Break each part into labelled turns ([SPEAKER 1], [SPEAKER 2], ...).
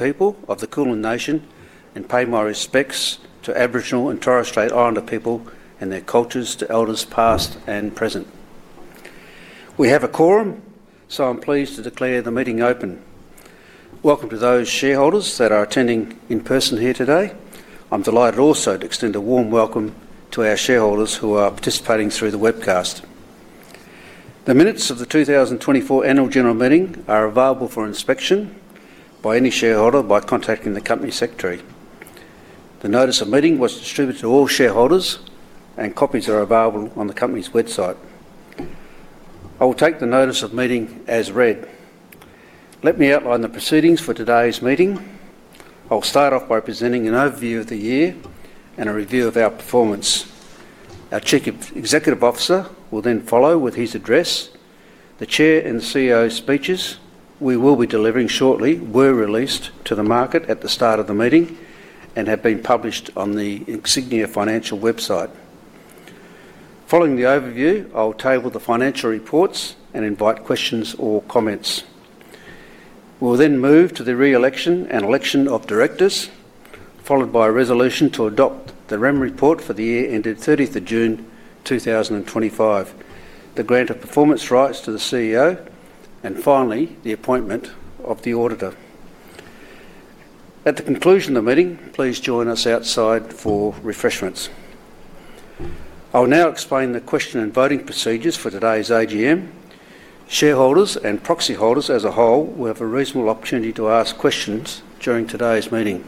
[SPEAKER 1] People of the Kulin Nation, and pay my respects to Aboriginal and Torres Strait Islander people and their cultures to Elders past and present. We have a quorum, so I'm pleased to declare the meeting open. Welcome to those shareholders that are attending in person here today. I'm delighted also to extend a warm welcome to our shareholders who are participating through the webcast. The minutes of the 2024 Annual General Meeting are available for inspection by any shareholder by contacting the Company Secretary. The notice of meeting was distributed to all shareholders, and copies are available on the Company's website. I will take the notice of meeting as read. Let me outline the proceedings for today's meeting. I'll start off by presenting an overview of the year and a review of our performance. Our Chief Executive Officer will then follow with his address. The Chair and CEO speeches we will be delivering shortly were released to the market at the start of the meeting and have been published on the Insignia Financial website. Following the overview, I'll table the financial reports and invite questions or comments. We'll then move to the re-election and election of Directors, followed by a resolution to adopt the REM report for the year ended 30th of June 2025, the grant of performance rights to the CEO, and finally, the appointment of the Auditor. At the conclusion of the meeting, please join us outside for refreshments. I'll now explain the question and voting procedures for today's AGM. Shareholders and proxy holders as a whole will have a reasonable opportunity to ask questions during today's meeting.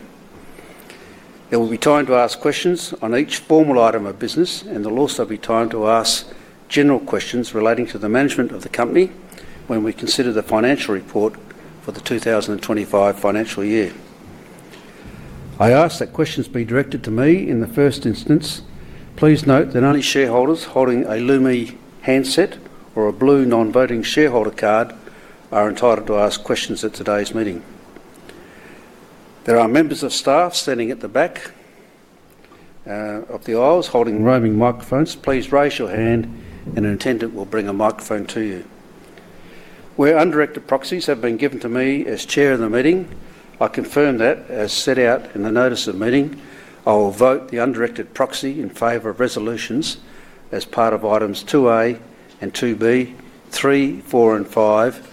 [SPEAKER 1] There will be time to ask questions on each formal item of business, and there'll also be time to ask general questions relating to the management of the Company when we consider the financial report for the 2025 financial year. I ask that questions be directed to me in the first instance. Please note that only shareholders holding a Lumi handset or a blue non-voting shareholder card are entitled to ask questions at today's meeting. There are members of staff standing at the back of the aisles holding roaming microphones. Please raise your hand, and an attendant will bring a microphone to you. Where undirected proxies have been given to me as Chair of the meeting, I confirm that, as set out in the notice of meeting, I will vote the undirected proxy in favor of resolutions as part of items 2A and 2B, three, four, and five,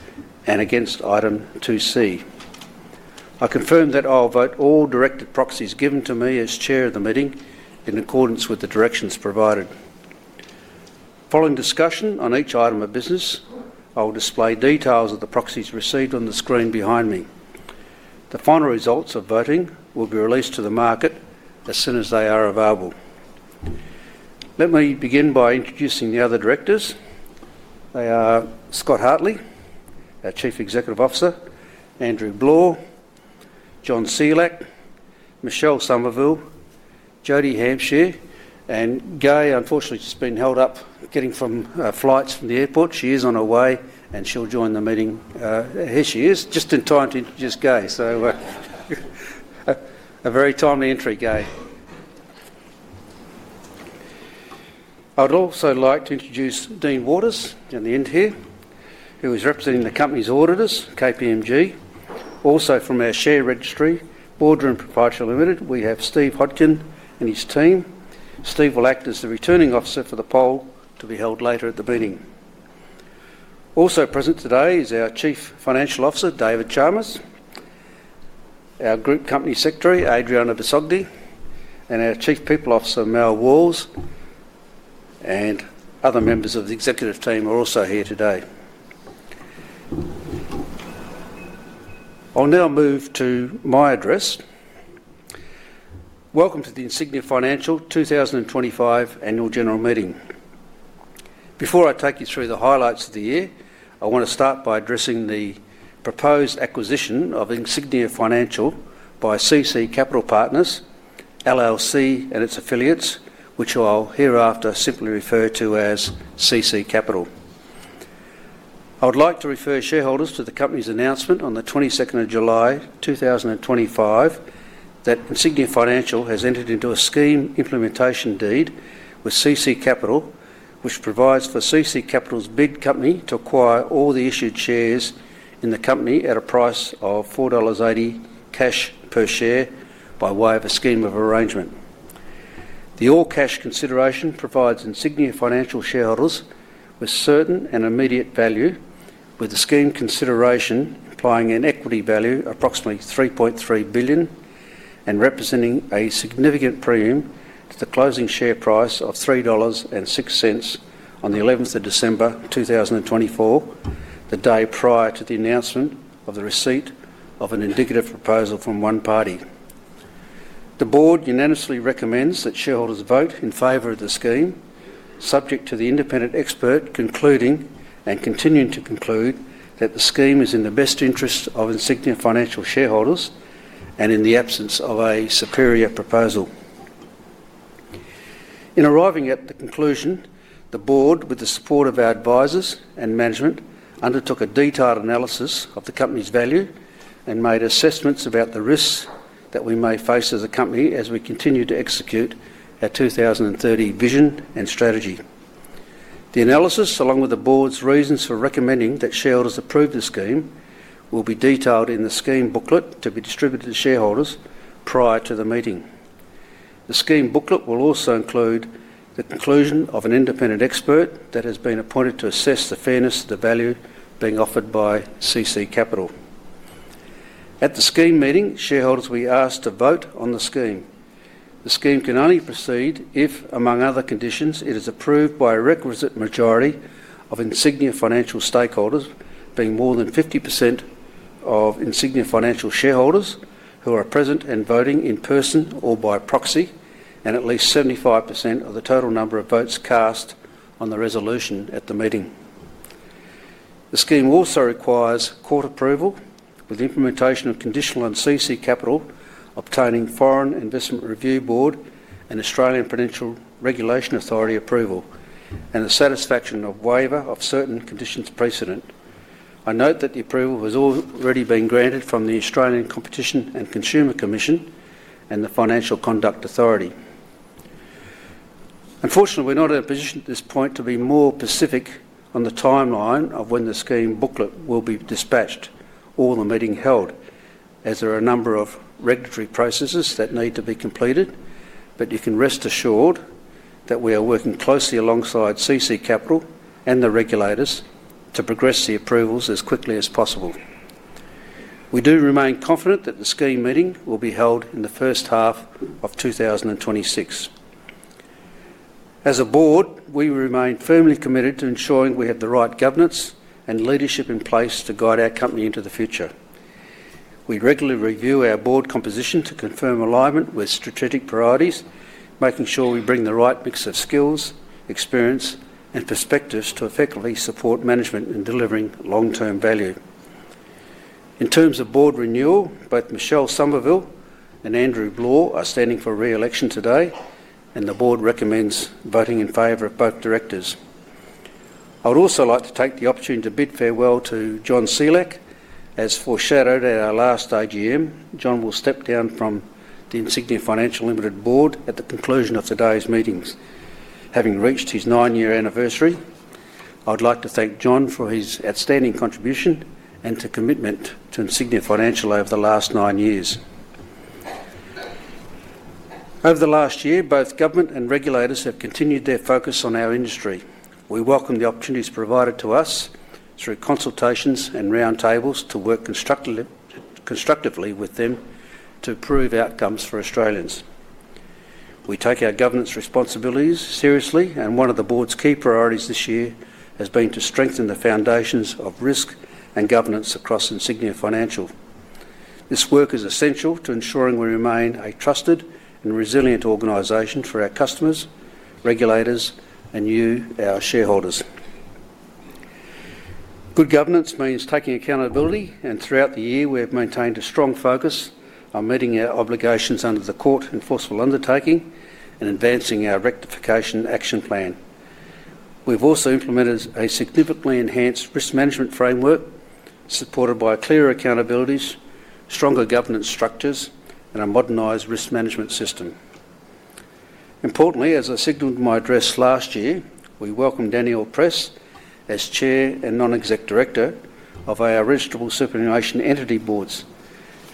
[SPEAKER 1] and against item 2C. I confirm that I'll vote all directed proxies given to me as Chair of the meeting in accordance with the directions provided. Following discussion on each item of business, I will display details of the proxies received on the screen behind me. The final results of voting will be released to the market as soon as they are available. Let me begin by introducing the other directors. They are Scott Hartley, our Chief Executive Officer; Andrew Bloore; John Selak; Michelle Somerville; Jodie Hampshire; and Gai, unfortunately, she's been held up getting flights from the airport. She is on her way, and she'll join the meeting. Here she is, just in time to introduce Gai. A very timely entry, Gai. I'd also like to introduce Dean Waters at the end here, who is representing the Company's auditors, KPMG. Also from our share registry, BoardRoom Pty Limited, we have Steve Hodkin and his team. Steve will act as the returning officer for the poll to be held later at the meeting. Also present today is our Chief Financial Officer, David Chalmers; our Group Company Secretary, Adrianna Bisogni; and our Chief People Officer, Mel Walls, and other members of the Executive team are also here today. I'll now move to my address. Welcome to the Insignia Financial 2025 Annual General Meeting. Before I take you through the highlights of the year, I want to start by addressing the proposed acquisition of Insignia Financial by CC Capital Partners and its affiliates, which I'll hereafter simply refer to as CC Capital. I would like to refer shareholders to the Company's announcement on the 22nd of July 2025 that Insignia Financial has entered into a scheme implementation deed with CC Capital, which provides for CC Capital's Bid Company to acquire all the issued shares in the Company at a price of 4.80 dollars cash per share by way of a scheme of arrangement. The all-cash consideration provides Insignia Financial shareholders with certain and immediate value, with the scheme consideration implying an equity value of approximately 3.3 billion and representing a significant premium to the closing share price of 3.06 dollars on the 11th of December 2024, the day prior to the announcement of the receipt of an indicative proposal from one party. The Board unanimously recommends that shareholders vote in favor of the scheme, subject to the independent expert concluding and continuing to conclude that the scheme is in the best interest of Insignia Financial shareholders and in the absence of a superior proposal. In arriving at the conclusion, the Board, with the support of our advisors and management, undertook a detailed analysis of the Company's value and made assessments about the risks that we may face as a Company as we continue to execute our 2030 vision and strategy. The analysis, along with the Board's reasons for recommending that shareholders approve the scheme, will be detailed in the scheme booklet to be distributed to shareholders prior to the meeting. The scheme booklet will also include the conclusion of an independent expert that has been appointed to assess the fairness of the value being offered by CC Capital. At the scheme meeting, shareholders will be asked to vote on the scheme. The scheme can only proceed if, among other conditions, it is approved by a requisite majority of Insignia Financial stakeholders, being more than 50% of Insignia Financial shareholders who are present and voting in person or by proxy, and at least 75% of the total number of votes cast on the resolution at the meeting. The scheme also requires court approval with the implementation conditional on CC Capital obtaining Foreign Investment Review Board and Australian Prudential Regulation Authority approval and the satisfaction or waiver of certain conditions precedent. I note that approval has already been granted from the Australian Competition and Consumer Commission and the Financial Conduct Authority. Unfortunately, we're not in a position at this point to be more specific on the timeline of when the scheme booklet will be dispatched or the meeting held, as there are a number of regulatory processes that need to be completed, but you can rest assured that we are working closely alongside CC Capital and the regulators to progress the approvals as quickly as possible. We do remain confident that the scheme meeting will be held in the first half of 2026. As a Board, we remain firmly committed to ensuring we have the right governance and leadership in place to guide our Company into the future. We regularly review our Board composition to confirm alignment with strategic priorities, making sure we bring the right mix of skills, experience, and perspectives to effectively support management in delivering long-term value. In terms of Board renewal, both Michelle Somerville and Andrew Bloore are standing for re-election today, and the Board recommends voting in favor of both Directors. I would also like to take the opportunity to bid farewell to John Selak. As foreshadowed at our last AGM, John will step down from the Insignia Financial Board at the conclusion of today's meetings. Having reached his nine-year anniversary, I'd like to thank John for his outstanding contribution and commitment to Insignia Financial over the last nine years. Over the last year, both government and regulators have continued their focus on our industry. We welcome the opportunities provided to us through consultations and roundtables to work constructively with them to improve outcomes for Australians. We take our governance responsibilities seriously, and one of the Board's key priorities this year has been to strengthen the foundations of risk and governance across Insignia Financial. This work is essential to ensuring we remain a trusted and resilient organization for our customers, regulators, and you, our shareholders. Good governance means taking accountability, and throughout the year, we have maintained a strong focus on meeting our obligations under the Court Enforceable Undertaking and advancing our Rectification Action Plan. We've also implemented a significantly enhanced risk management framework supported by clearer accountabilities, stronger governance structures, and a modernized risk management system. Importantly, as I signaled in my address last year, we welcome Danielle Press as Chair and Non-Executive Director of our Registrable Superannuation Entity Boards.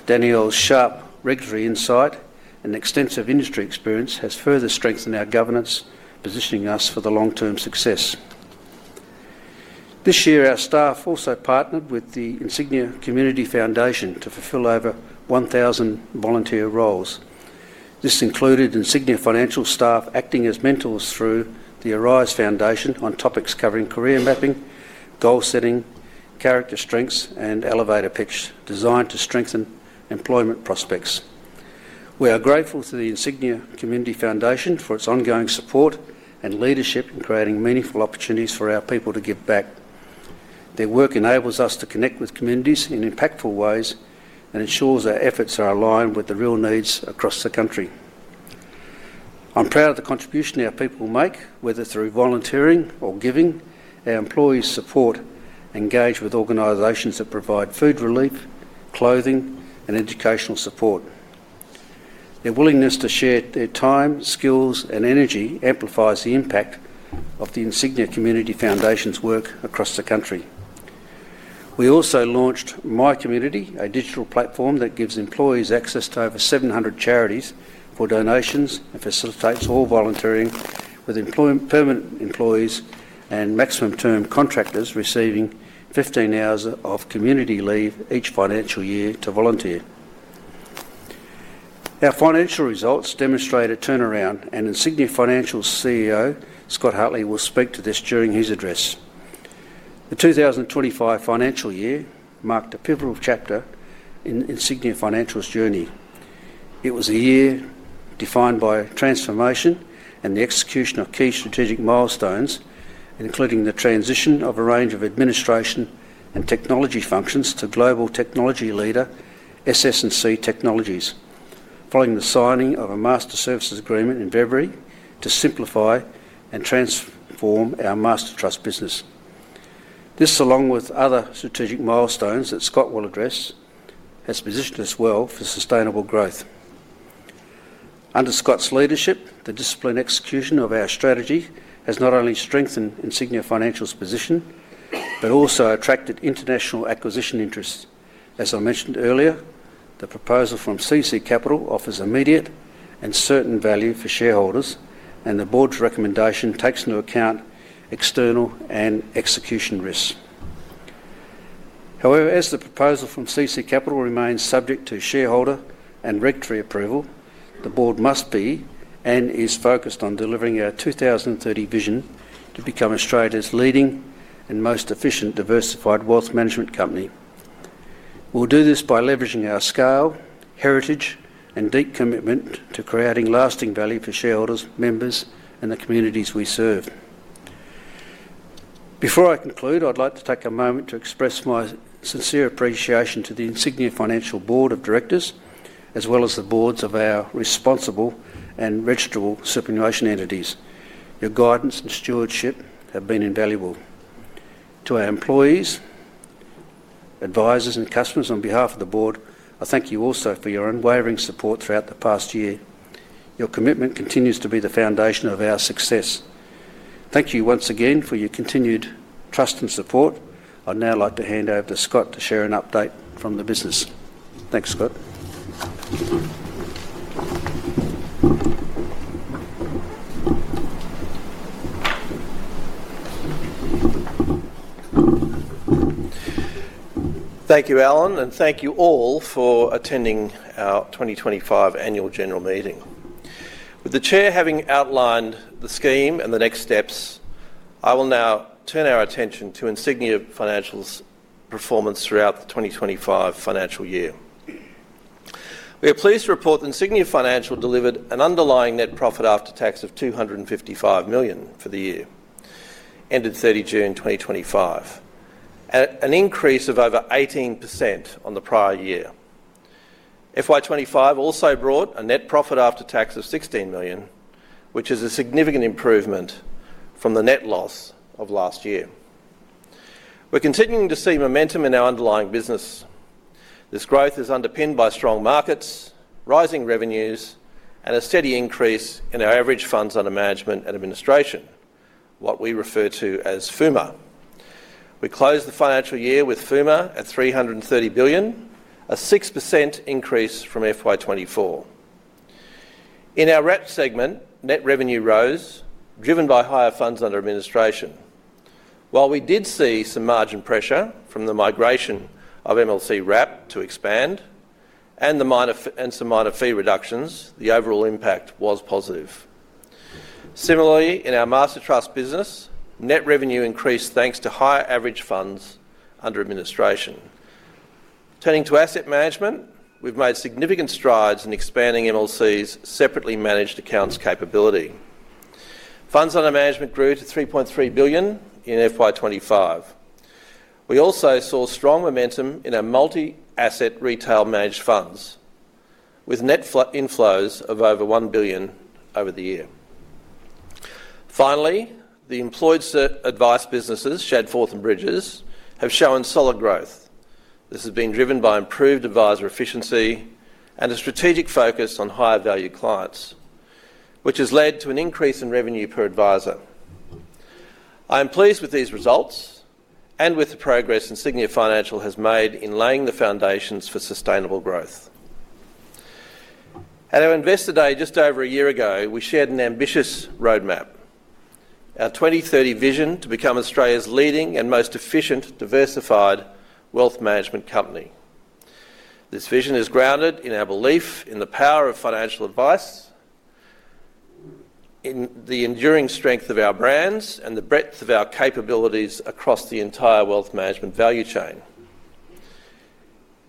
[SPEAKER 1] Danielle's sharp regulatory insight and extensive industry experience has further strengthened our governance, positioning us for long-term success. This year, our staff also partnered with the Insignia Community Foundation to fulfill over 1,000 volunteer roles. This included Insignia Financial staff acting as mentors through the Arise Foundation on topics covering career mapping, goal setting, character strengths, and elevator pitch designed to strengthen employment prospects. We are grateful to the Insignia Community Foundation for its ongoing support and leadership in creating meaningful opportunities for our people to give back. Their work enables us to connect with communities in impactful ways and ensures our efforts are aligned with the real needs across the country. I'm proud of the contribution our people make, whether through volunteering or giving. Our employees support and engage with organizations that provide food relief, clothing, and educational support. Their willingness to share their time, skills, and energy amplifies the impact of the Insignia Community Foundation's work across the country. We also launched My Community, a digital platform that gives employees access to over 700 charities for donations and facilitates all volunteering, with permanent employees and maximum term contractors receiving 15 hours of community leave each financial year to volunteer. Our financial results demonstrate a turnaround, and Insignia Financial's CEO, Scott Hartley, will speak to this during his address. The 2025 financial year marked a pivotal chapter in Insignia Financial's journey. It was a year defined by transformation and the execution of key strategic milestones, including the transition of a range of administration and technology functions to global technology leader, SS&C Technologies, following the signing of a master services agreement in February to simplify and transform our Master Trust business. This, along with other strategic milestones that Scott will address, has positioned us well for sustainable growth. Under Scott's leadership, the disciplined execution of our strategy has not only strengthened Insignia Financial's position but also attracted international acquisition interests. As I mentioned earlier, the proposal from CC Capital offers immediate and certain value for shareholders, and the Board's recommendation takes into account external and execution risks. However, as the proposal from CC Capital remains subject to shareholder and regulatory approval, the Board must be and is focused on delivering our 2030 vision to become Australia's leading and most efficient diversified wealth management company. We'll do this by leveraging our scale, heritage, and deep commitment to creating lasting value for shareholders, members, and the communities we serve. Before I conclude, I'd like to take a moment to express my sincere appreciation to the Insignia Financial Board of Directors, as well as the Boards of our responsible and registrable superannuation entities. Your guidance and stewardship have been invaluable. To our employees, advisors, and customers, on behalf of the Board, I thank you also for your unwavering support throughout the past year. Your commitment continues to be the foundation of our success. Thank you once again for your continued trust and support. I'd now like to hand over to Scott to share an update from the business. Thanks, Scott.
[SPEAKER 2] Thank you, Allan, and thank you all for attending our 2025 Annual General Meeting. With the Chair having outlined the scheme and the next steps, I will now turn our attention to Insignia Financial's performance throughout the 2025 financial year. We are pleased to report that Insignia Financial delivered an underlying net profit after tax of 255 million for the year, ended 30 June 2025, an increase of over 18% on the prior year. FY 2025 also brought a net profit after tax of 16 million, which is a significant improvement from the net loss of last year. We're continuing to see momentum in our underlying business. This growth is underpinned by strong markets, rising revenues, and a steady increase in our average funds under management and administration, what we refer to as FUMA. We closed the financial year with FUMA at 330 billion, a 6% increase from FY 2024. In our RAP segment, net revenue rose, driven by higher funds under administration. While we did see some margin pressure from the migration of MLC RAP to Expand and some minor fee reductions, the overall impact was positive. Similarly, in our Master Trust business, net revenue increased thanks to higher average funds under administration. Turning to asset management, we've made significant strides in expanding MLC's separately managed accounts capability. Funds under management grew to 3.3 billion in FY 2025. We also saw strong momentum in our multi-asset retail managed funds, with net inflows of over 1 billion over the year. Finally, the employed advice businesses, Shadforth and Bridges, have shown solid growth. This has been driven by improved advisor efficiency and a strategic focus on higher value clients, which has led to an increase in revenue per advisor. I am pleased with these results and with the progress Insignia Financial has made in laying the foundations for sustainable growth. At our Investor Day just over a year ago, we shared an ambitious roadmap: our 2030 vision to become Australia's leading and most efficient diversified wealth management company. This vision is grounded in our belief in the power of financial advice, in the enduring strength of our brands, and the breadth of our capabilities across the entire wealth management value chain.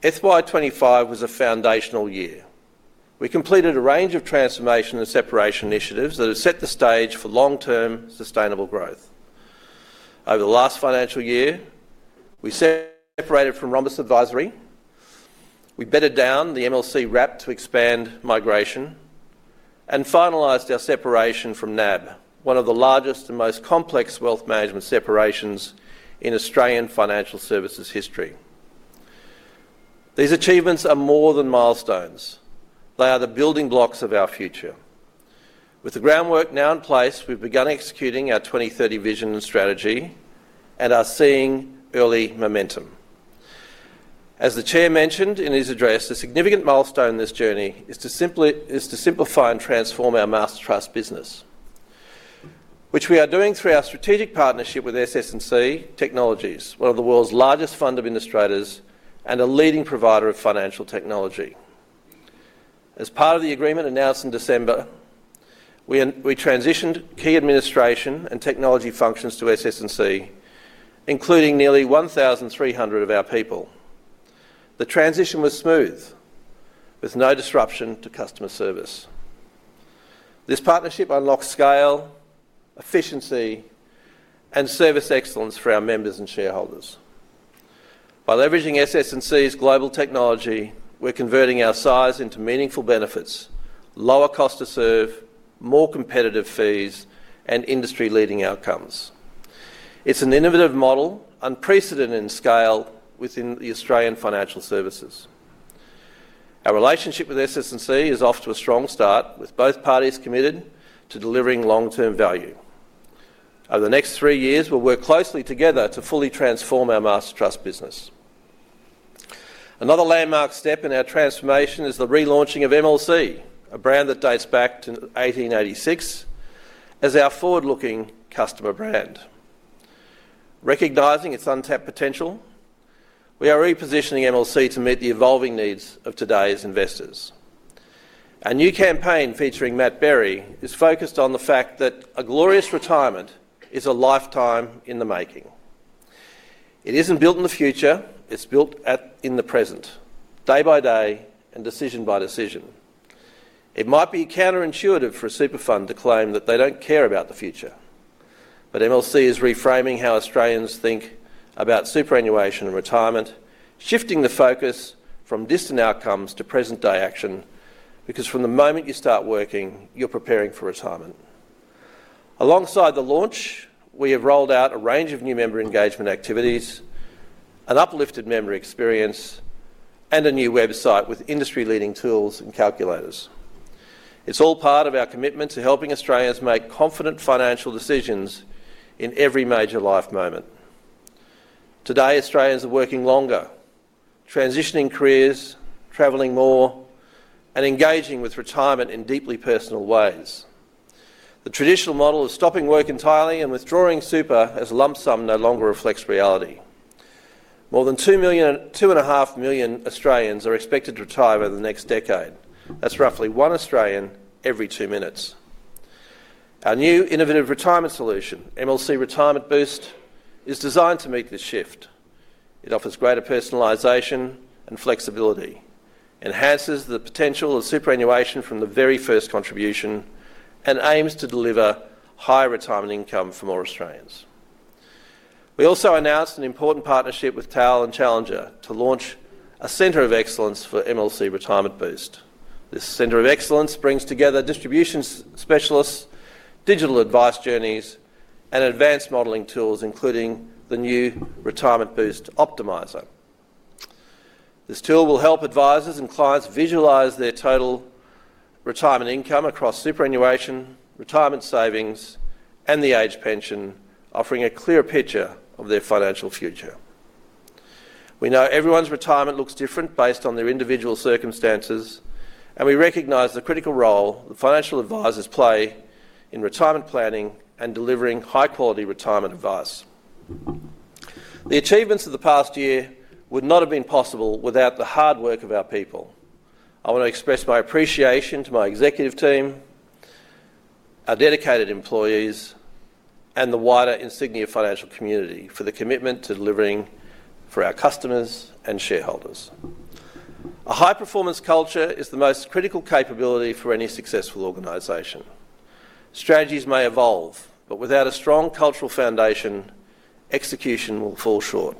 [SPEAKER 2] FY 2025 was a foundational year. We completed a range of transformation and separation initiatives that have set the stage for long-term sustainable growth. Over the last financial year, we separated from Rhombus Advisory. We bettered down the MLC RAP to Expand migration and finalized our separation from NAB, one of the largest and most complex wealth management separations in Australian financial services history. These achievements are more than milestones. They are the building blocks of our future. With the groundwork now in place, we've begun executing our 2030 vision and strategy and are seeing early momentum. As the Chair mentioned in his address, a significant milestone in this journey is to simplify and transform our Master Trust business, which we are doing through our strategic partnership with SS&C Technologies, one of the world's largest fund administrators and a leading provider of financial technology. As part of the agreement announced in December, we transitioned key administration and technology functions to SS&C, including nearly 1,300 of our people. The transition was smooth, with no disruption to customer service. This partnership unlocked scale, efficiency, and service excellence for our members and shareholders. By leveraging SS&C's global technology, we're converting our size into meaningful benefits: lower cost to serve, more competitive fees, and industry-leading outcomes. It's an innovative model, unprecedented in scale, within the Australian financial services. Our relationship with SS&C is off to a strong start, with both parties committed to delivering long-term value. Over the next three years, we'll work closely together to fully transform our Master Trust business. Another landmark step in our transformation is the relaunching of MLC, a brand that dates back to 1886, as our forward-looking customer brand. Recognizing its untapped potential, we are repositioning MLC to meet the evolving needs of today's investors. Our new campaign featuring Matt Berry is focused on the fact that a glorious retirement is a lifetime in the making. It isn't built in the future; it's built in the present, day by day and decision by decision. It might be counterintuitive for a super fund to claim that they don't care about the future, but MLC is reframing how Australians think about superannuation and retirement, shifting the focus from distant outcomes to present-day action, because from the moment you start working, you're preparing for retirement. Alongside the launch, we have rolled out a range of new member engagement activities, an uplifted member experience, and a new website with industry-leading tools and calculators. It's all part of our commitment to helping Australians make confident financial decisions in every major life moment. Today, Australians are working longer, transitioning careers, traveling more, and engaging with retirement in deeply personal ways. The traditional model of stopping work entirely and withdrawing super as a lump sum no longer reflects reality. More than 2.5 million Australians are expected to retire over the next decade. That's roughly one Australian every two minutes. Our new innovative retirement solution, MLC Retirement Boost, is designed to meet this shift. It offers greater personalization and flexibility, enhances the potential of superannuation from the very first contribution, and aims to deliver higher retirement income for more Australians. We also announced an important partnership with TAL and Challenger to launch a center of excellence for MLC Retirement Boost. This center of excellence brings together distribution specialists, digital advice journeys, and advanced modeling tools, including the new Retirement Boost Optimiser. This tool will help advisors and clients visualize their total retirement income across superannuation, retirement savings, and the age pension, offering a clearer picture of their financial future. We know everyone's retirement looks different based on their individual circumstances, and we recognise the critical role that financial advisors play in retirement planning and delivering high-quality retirement advice. The achievements of the past year would not have been possible without the hard work of our people. I want to express my appreciation to my Executive team, our dedicated employees, and the wider Insignia Financial community for the commitment to delivering for our customers and shareholders. A high-performance culture is the most critical capability for any successful organization. Strategies may evolve, but without a strong cultural foundation, execution will fall short.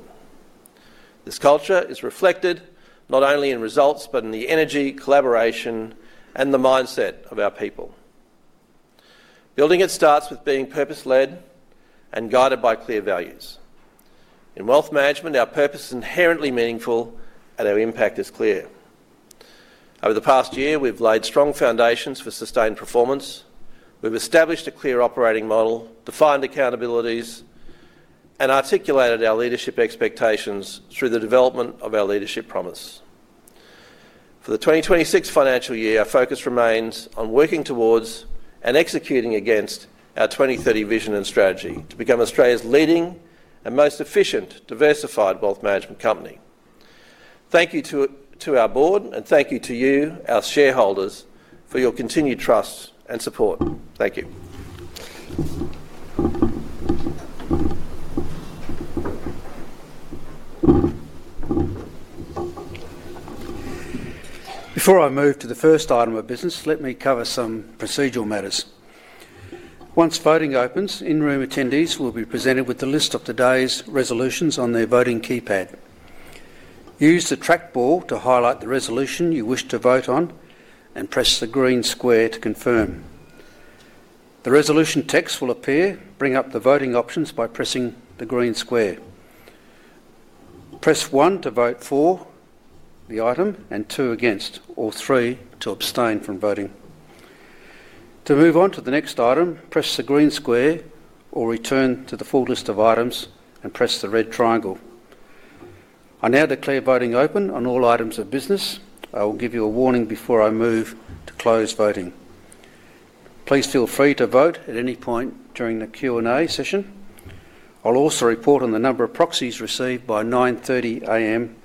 [SPEAKER 2] This culture is reflected not only in results but in the energy, collaboration, and the mindset of our people. Building it starts with being purpose-led and guided by clear values. In wealth management, our purpose is inherently meaningful, and our impact is clear. Over the past year, we've laid strong foundations for sustained performance. We've established a clear operating model, defined accountabilities, and articulated our leadership expectations through the development of our leadership promise. For the 2026 financial year, our focus remains on working towards and executing against our 2030 vision and strategy to become Australia's leading and most efficient diversified wealth management company. Thank you to our Board, and thank you to you, our shareholders, for your continued trust and support. Thank you.
[SPEAKER 1] Before I move to the first item of business, let me cover some procedural matters. Once voting opens, in-room attendees will be presented with the list of today's resolutions on their voting keypad. Use the trackball to highlight the resolution you wish to vote on and press the green square to confirm. The resolution text will appear. Bring up the voting options by pressing the green square. Press one to vote for the item and two against, or three to abstain from voting. To move on to the next item, press the green square or return to the full list of items and press the red triangle. I now declare voting open on all items of business. I will give you a warning before I move to close voting. Please feel free to vote at any point during the Q&A session. I'll also report on the number of proxies received by 9:30 A.M.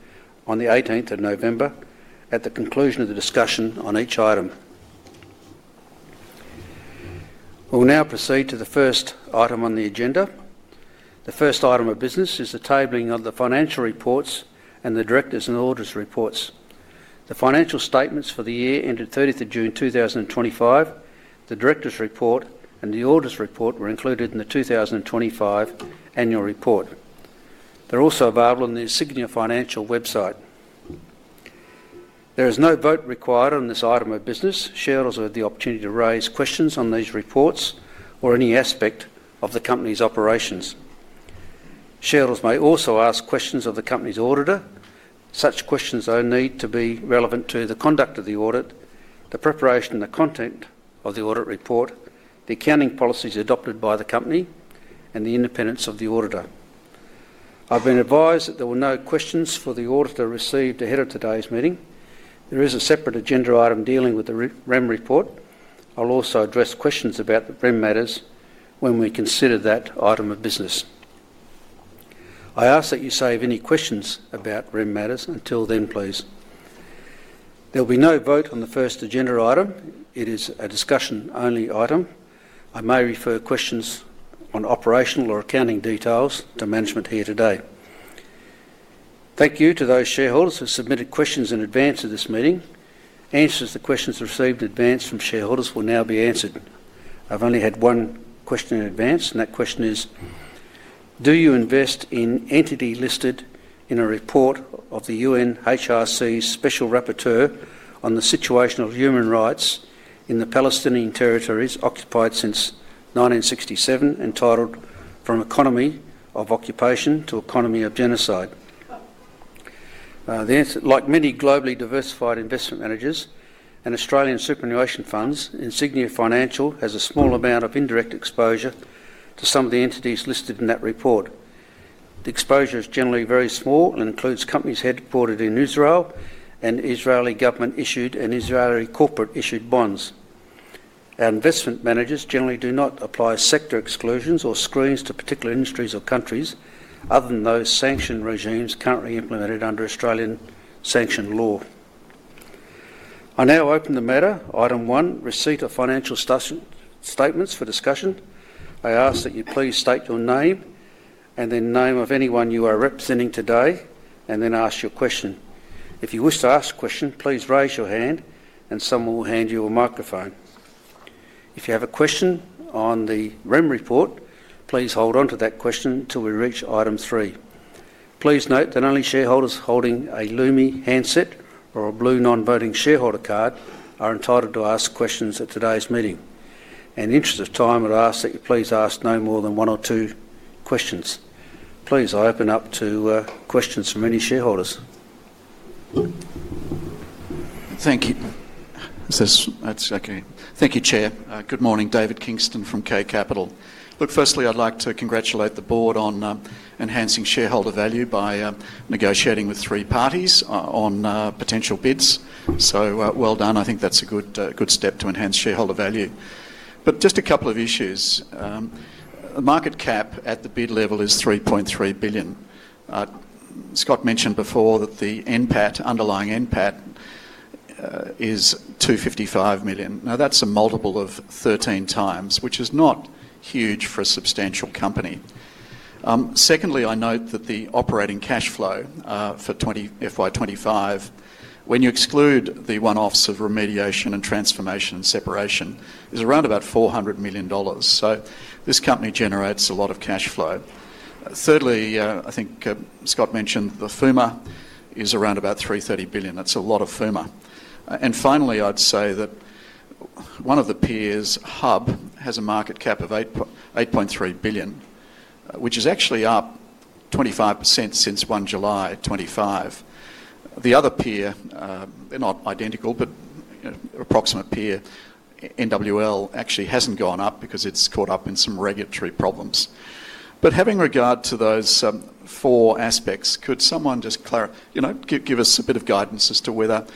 [SPEAKER 1] on the 18th of November at the conclusion of the discussion on each item. We'll now proceed to the first item on the agenda. The first item of business is the tabling of the financial reports and the Directors' and Auditors' reports. The financial statements for the year ended 30th June 2025. The Directors' report and the Auditors' report were included in the 2025 annual report. They're also available on the Insignia Financial website. There is no vote required on this item of business. Shareholders will have the opportunity to raise questions on these reports or any aspect of the Company's operations. Shareholders may also ask questions of the Company's Auditor. Such questions only need to be relevant to the conduct of the audit, the preparation and the content of the audit report, the accounting policies adopted by the Company, and the independence of the Auditor. I've been advised that there were no questions for the Auditor received ahead of today's meeting. There is a separate agenda item dealing with the REM report. I'll also address questions about the REM matters when we consider that item of business. I ask that you save any questions about REM matters until then, please. There will be no vote on the first agenda item. It is a discussion-only item. I may refer questions on operational or accounting details to management here today. Thank you to those shareholders who submitted questions in advance of this meeting. Answers to questions received in advance from shareholders will now be answered. I've only had one question in advance, and that question is: Do you invest in entity listed in a report of the UNHRC's special rapporteur on the situation of human rights in the Palestinian territories occupied since 1967, entitled "From Economy of Occupation to Economy of Genocide"? Like many globally diversified investment managers and Australian superannuation funds, Insignia Financial has a small amount of indirect exposure to some of the entities listed in that report. The exposure is generally very small and includes companies headquartered in Israel and Israeli government-issued and Israeli corporate-issued bonds. Our investment managers generally do not apply sector exclusions or screens to particular industries or countries other than those sanctioned regimes currently implemented under Australian sanctioned law. I now open the matter, item one, receipt of financial statements for discussion. I ask that you please state your name and then name of anyone you are representing today, and then ask your question. If you wish to ask a question, please raise your hand, and someone will hand you a microphone. If you have a question on the REM report, please hold on to that question until we reach item three. Please note that only shareholders holding a Lumi handset or a blue non-voting shareholder card are entitled to ask questions at today's meeting. In the interest of time, I'd ask that you please ask no more than one or two questions. Please, I open up to questions from any shareholders.
[SPEAKER 3] Thank you. Thank you, Chair. Good morning, David Kingston from K Capital. Look, firstly, I'd like to congratulate the Board on enhancing shareholder value by negotiating with three parties on potential bids. So well done. I think that's a good step to enhance shareholder value. Just a couple of issues. The market cap at the bid level is 3.3 billion. Scott mentioned before that the underlying NPAT is 255 million. Now, that's a multiple of 13x, which is not huge for a substantial company. Secondly, I note that the operating cash flow for FY 2025, when you exclude the one-offs of remediation and transformation and separation, is around about 400 million dollars. This Company generates a lot of cash flow. Thirdly, I think Scott mentioned the FUMA is around about 330 billion. That's a lot of FUMA. Finally, I'd say that one of the peers, HUB, has a market cap of 8.3 billion, which is actually up 25% since 1 July 2025. The other peer, they're not identical, but an approximate peer, NWL, actually hasn't gone up because it's caught up in some regulatory problems. Having regard to those four aspects, could someone just give us a bit of guidance as to whether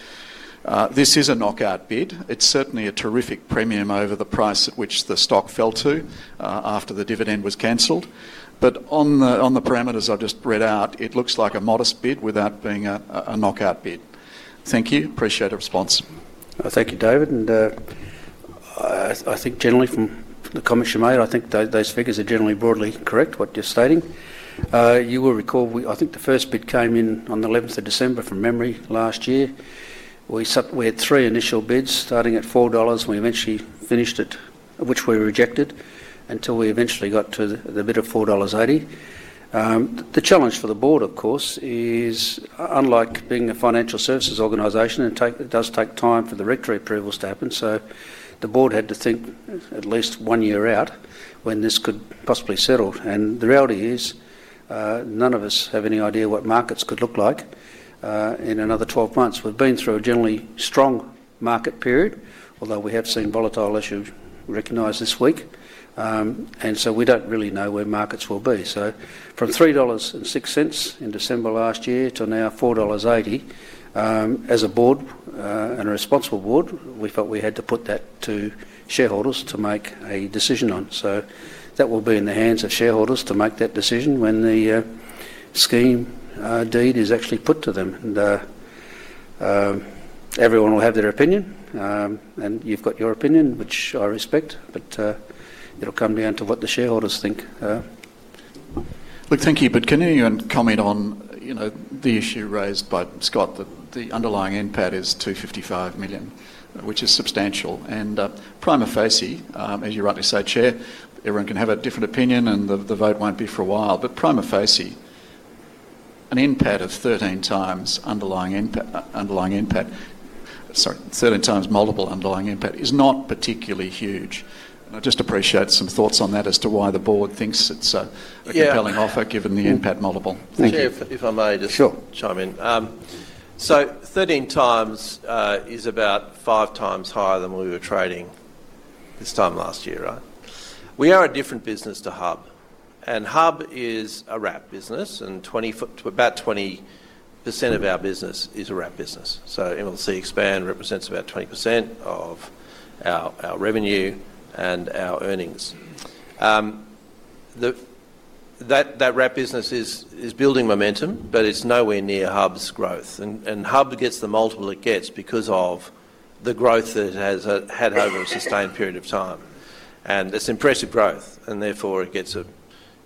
[SPEAKER 3] this is a knockout bid? It's certainly a terrific premium over the price at which the stock fell to after the dividend was cancelled. On the parameters I just read out, it looks like a modest bid without being a knockout bid. Thank you. Appreciate the response.
[SPEAKER 1] Thank you, David. I think generally from the comment you made, I think those figures are generally broadly correct, what you're stating. You will recall, I think the first bid came in on the 11th of December, from memory, last year. We had three initial bids starting at 4 dollars. We eventually finished it, which we rejected, until we eventually got to the bid of 4.80 dollars. The challenge for the Board, of course, is unlike being a financial services organization, it does take time for the regulatory approvals to happen. The Board had to think at least one year out when this could possibly settle. The reality is none of us have any idea what markets could look like in another 12 months. We've been through a generally strong market period, although we have seen volatile issues recognized this week. We don't really know where markets will be. From $3.06 in December last year to now $4.80, as a Board and a responsible Board, we felt we had to put that to shareholders to make a decision on. That will be in the hands of shareholders to make that decision when the scheme deed is actually put to them. Everyone will have their opinion, and you have your opinion, which I respect, but it will come down to what the shareholders think.
[SPEAKER 3] Thank you. Can you comment on the issue raised by Scott that the underlying NPAT is $255 million, which is substantial? Primar Facy, as you rightly say, Chair, everyone can have a different opinion and the vote will not be for a while. Primar Facy, an NPAT of 13x underlying NPAT, sorry, 13x multiple underlying NPAT, is not particularly huge. I just appreciate some thoughts on that as to why the Board thinks it's a compelling offer given the NPAT multiple. Thank you.
[SPEAKER 2] If I may just chime in. 13x is about 5x higher than we were trading this time last year, right? We are a different business to HUB, and HUB is a RAP business, and about 20% of our business is a RAP business. MLC Expand represents about 20% of our revenue and our earnings. That RAP business is building momentum, but it's nowhere near HUB's growth. HUB gets the multiple it gets because of the growth that it has had over a sustained period of time. It's impressive growth, and therefore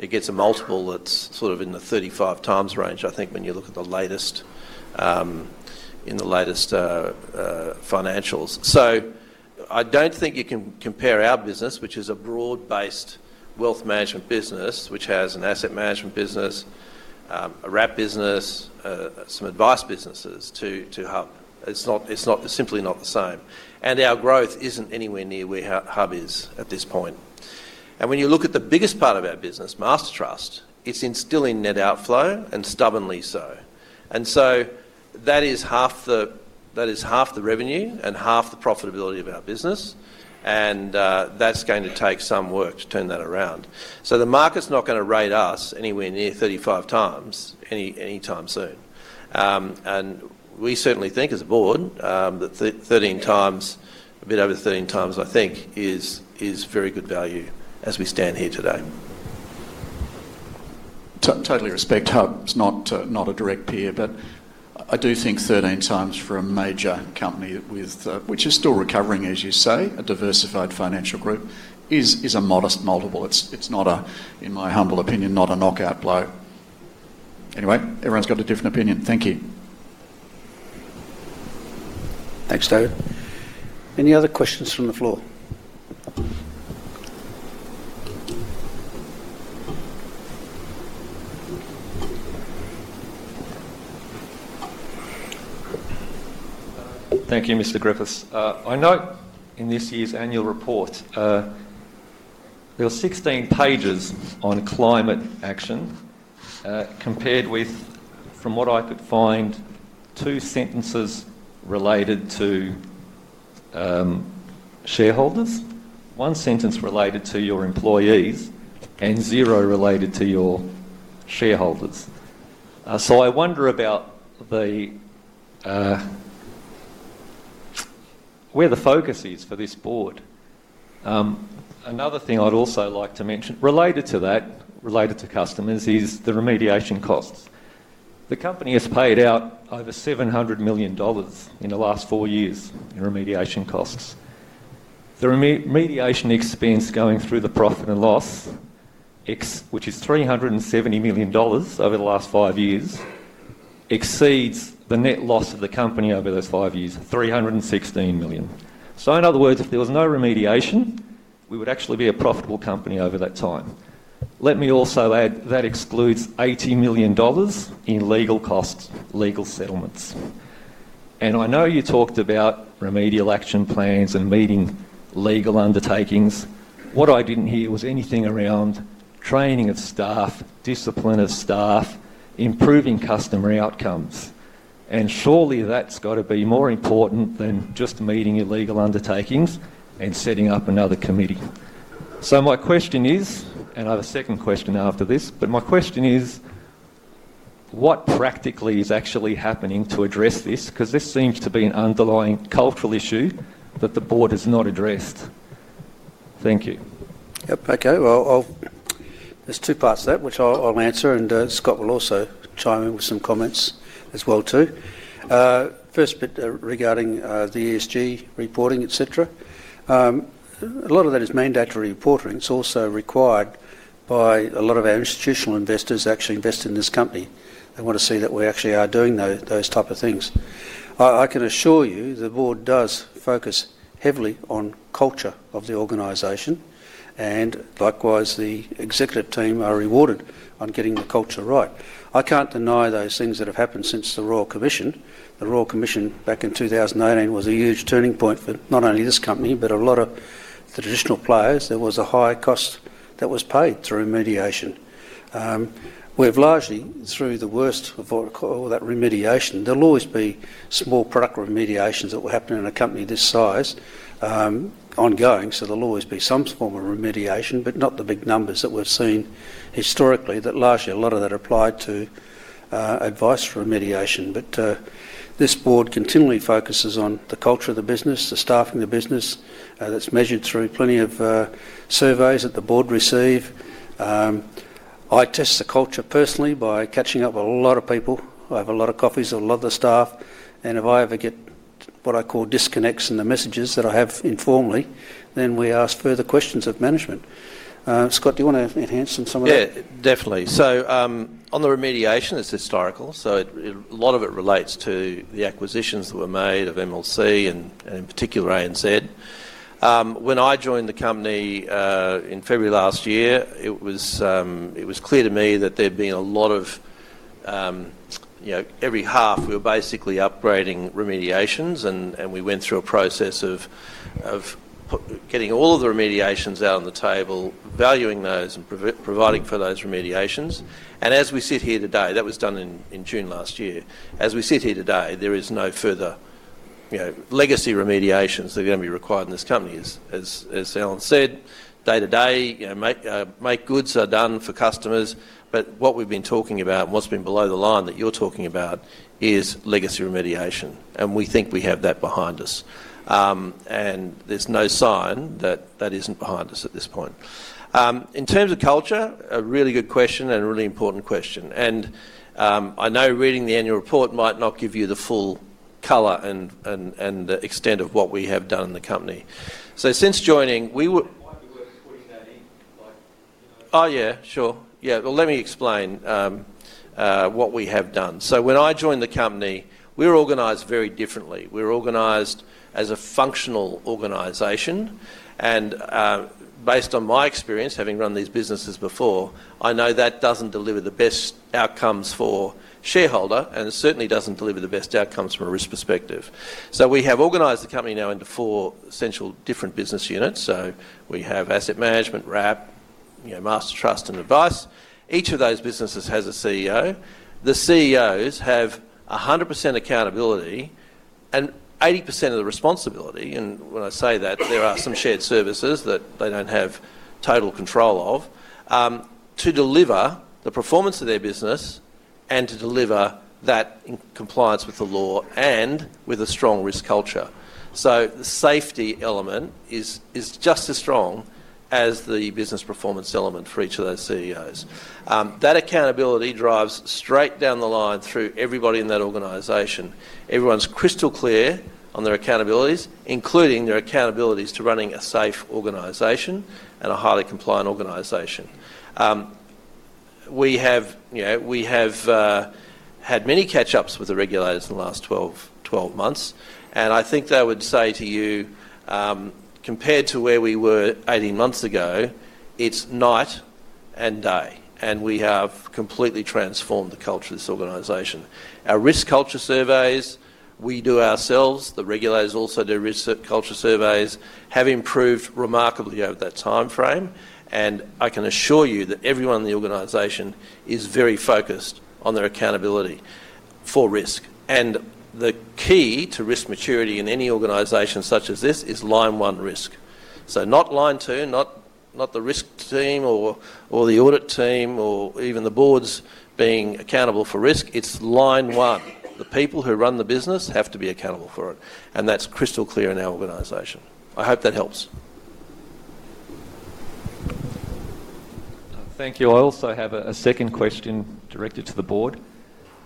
[SPEAKER 2] it gets a multiple that's sort of in the 35x range, I think, when you look at the latest financials. I don't think you can compare our business, which is a broad-based wealth management business, which has an asset management business, a RAP business, some advice businesses, to HUB. It's simply not the same. Our growth isn't anywhere near where HUB is at this point. When you look at the biggest part of our business, Master Trust, it's instilling net outflow, and stubbornly so. That is half the revenue and half the profitability of our business, and that's going to take some work to turn that around. The market's not going to rate us anywhere near 35x anytime soon. We certainly think, as a Board, that 13x, a bit over 13x, I think, is very good value as we stand here today.
[SPEAKER 3] Totally respect HUB's not a direct peer, but I do think 13x for a major company, which is still recovering, as you say, a diversified financial group, is a modest multiple. It's not a, in my humble opinion, not a knockout blow. Anyway, everyone's got a different opinion. Thank you.
[SPEAKER 1] Thanks, David. Any other questions from the floor?
[SPEAKER 4] Thank you, Mr. Griffiths. I note in this year's annual report there are 16 pages on climate action compared with, from what I could find, two sentences related to shareholders, one sentence related to your employees, and zero related to your shareholders. I wonder about where the focus is for this Board. Another thing I'd also like to mention related to that, related to customers, is the remediation costs. The company has paid out over 700 million dollars in the last four years in remediation costs. The remediation expense going through the profit and loss, which is 370 million dollars over the last five years, exceeds the net loss of the company over those five years, 316 million. In other words, if there was no remediation, we would actually be a profitable Company over that time. Let me also add that excludes 80 million dollars in legal costs, legal settlements. I know you talked about remedial action plans and meeting legal undertakings. What I did not hear was anything around training of staff, discipline of staff, improving customer outcomes. Surely that has got to be more important than just meeting your legal undertakings and setting up another committee. My question is, and I have a second question after this, but my question is, what practically is actually happening to address this? Because this seems to be an underlying cultural issue that the Board has not addressed. Thank you.
[SPEAKER 1] Yep. Okay. There are two parts to that, which I'll answer, and Scott will also chime in with some comments as well, too. First bit regarding the ESG reporting, et cetera. A lot of that is mandatory reporting. It's also required by a lot of our institutional investors to actually invest in this Company. They want to see that we actually are doing those types of things. I can assure you the Board does focus heavily on culture of the organization, and likewise the executive team are rewarded on getting the culture right. I can't deny those things that have happened since the Royal Commission. The Royal Commission back in 2018 was a huge turning point for not only this Company, but a lot of the traditional players. There was a high cost that was paid through remediation. We've largely, through the worst of all that remediation, there'll always be small product remediations that will happen in a Company this size ongoing. There'll always be some form of remediation, but not the big numbers that we've seen historically that largely a lot of that applied to advice remediation. This Board continually focuses on the culture of the business, the staffing of the business. That's measured through plenty of surveys that the Board receive. I test the culture personally by catching up with a lot of people. I have a lot of coffees with a lot of the staff. If I ever get what I call disconnects in the messages that I have informally, then we ask further questions of management. Scott, do you want to enhance on some of that?
[SPEAKER 2] Yeah, definitely. On the remediation, it's historical. A lot of it relates to the acquisitions that were made of MLC and in particular ANZ. When I joined the company in February last year, it was clear to me that there had been a lot of every half, we were basically upgrading remediations, and we went through a process of getting all of the remediations out on the table, valuing those, and providing for those remediations. As we sit here today, that was done in June last year. As we sit here today, there is no further legacy remediations that are going to be required in this Company. As Allan said, day to day, make goods are done for customers. What we've been talking about and what's been below the line that you're talking about is legacy remediation, and we think we have that behind us. There is no sign that that isn't behind us at this point. In terms of culture, a really good question and a really important question. I know reading the annual report might not give you the full color and extent of what we have done in the Company. Since joining, we were putting that in. Oh, yeah. Sure. Let me explain what we have done. When I joined the company, we were organized very differently. We were organized as a functional organization. Based on my experience, having run these businesses before, I know that doesn't deliver the best outcomes for shareholders and certainly doesn't deliver the best outcomes from a risk perspective. We have organized the Company now into four essential different business units. We have Asset Management, RAP, Master Trust, and Advice. Each of those businesses has a CEO. The CEOs have 100% accountability and 80% of the responsibility. When I say that, there are some shared services that they do not have total control of to deliver the performance of their business and to deliver that in compliance with the law and with a strong risk culture. The safety element is just as strong as the business performance element for each of those CEOs. That accountability drives straight down the line through everybody in that organization. Everyone is crystal clear on their accountabilities, including their accountabilities to running a safe organization and a highly compliant organization. We have had many catch-ups with the regulators in the last 12 months. I think they would say to you, compared to where we were 18 months ago, it is night and day. We have completely transformed the culture of this organization. Our risk culture surveys we do ourselves. The regulators also do risk culture surveys, have improved remarkably over that timeframe. I can assure you that everyone in the organization is very focused on their accountability for risk. The key to risk maturity in any organization such as this is line one risk. Not line two, not the risk team or the audit team or even the Board being accountable for risk. It's line one. The people who run the business have to be accountable for it. That's crystal clear in our organization. I hope that helps.
[SPEAKER 4] Thank you. I also have a second question directed to the Board.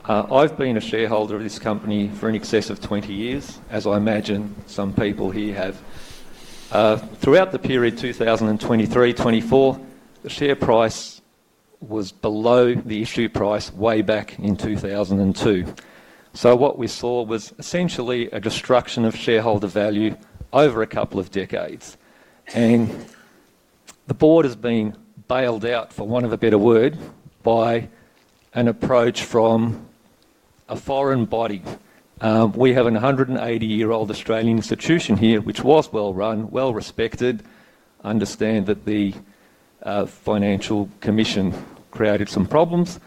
[SPEAKER 4] I've been a shareholder of this Company for in excess of 20 years, as I imagine some people here have. Throughout the period 2023-2024, the share price was below the issue price way back in 2002. What we saw was essentially a destruction of shareholder value over a couple of decades. The Board has been bailed out, for want of a better word, by an approach from a foreign body. We have an 180-year-old Australian institution here, which was well run, well respected. I understand that the Financial Commission created some problems.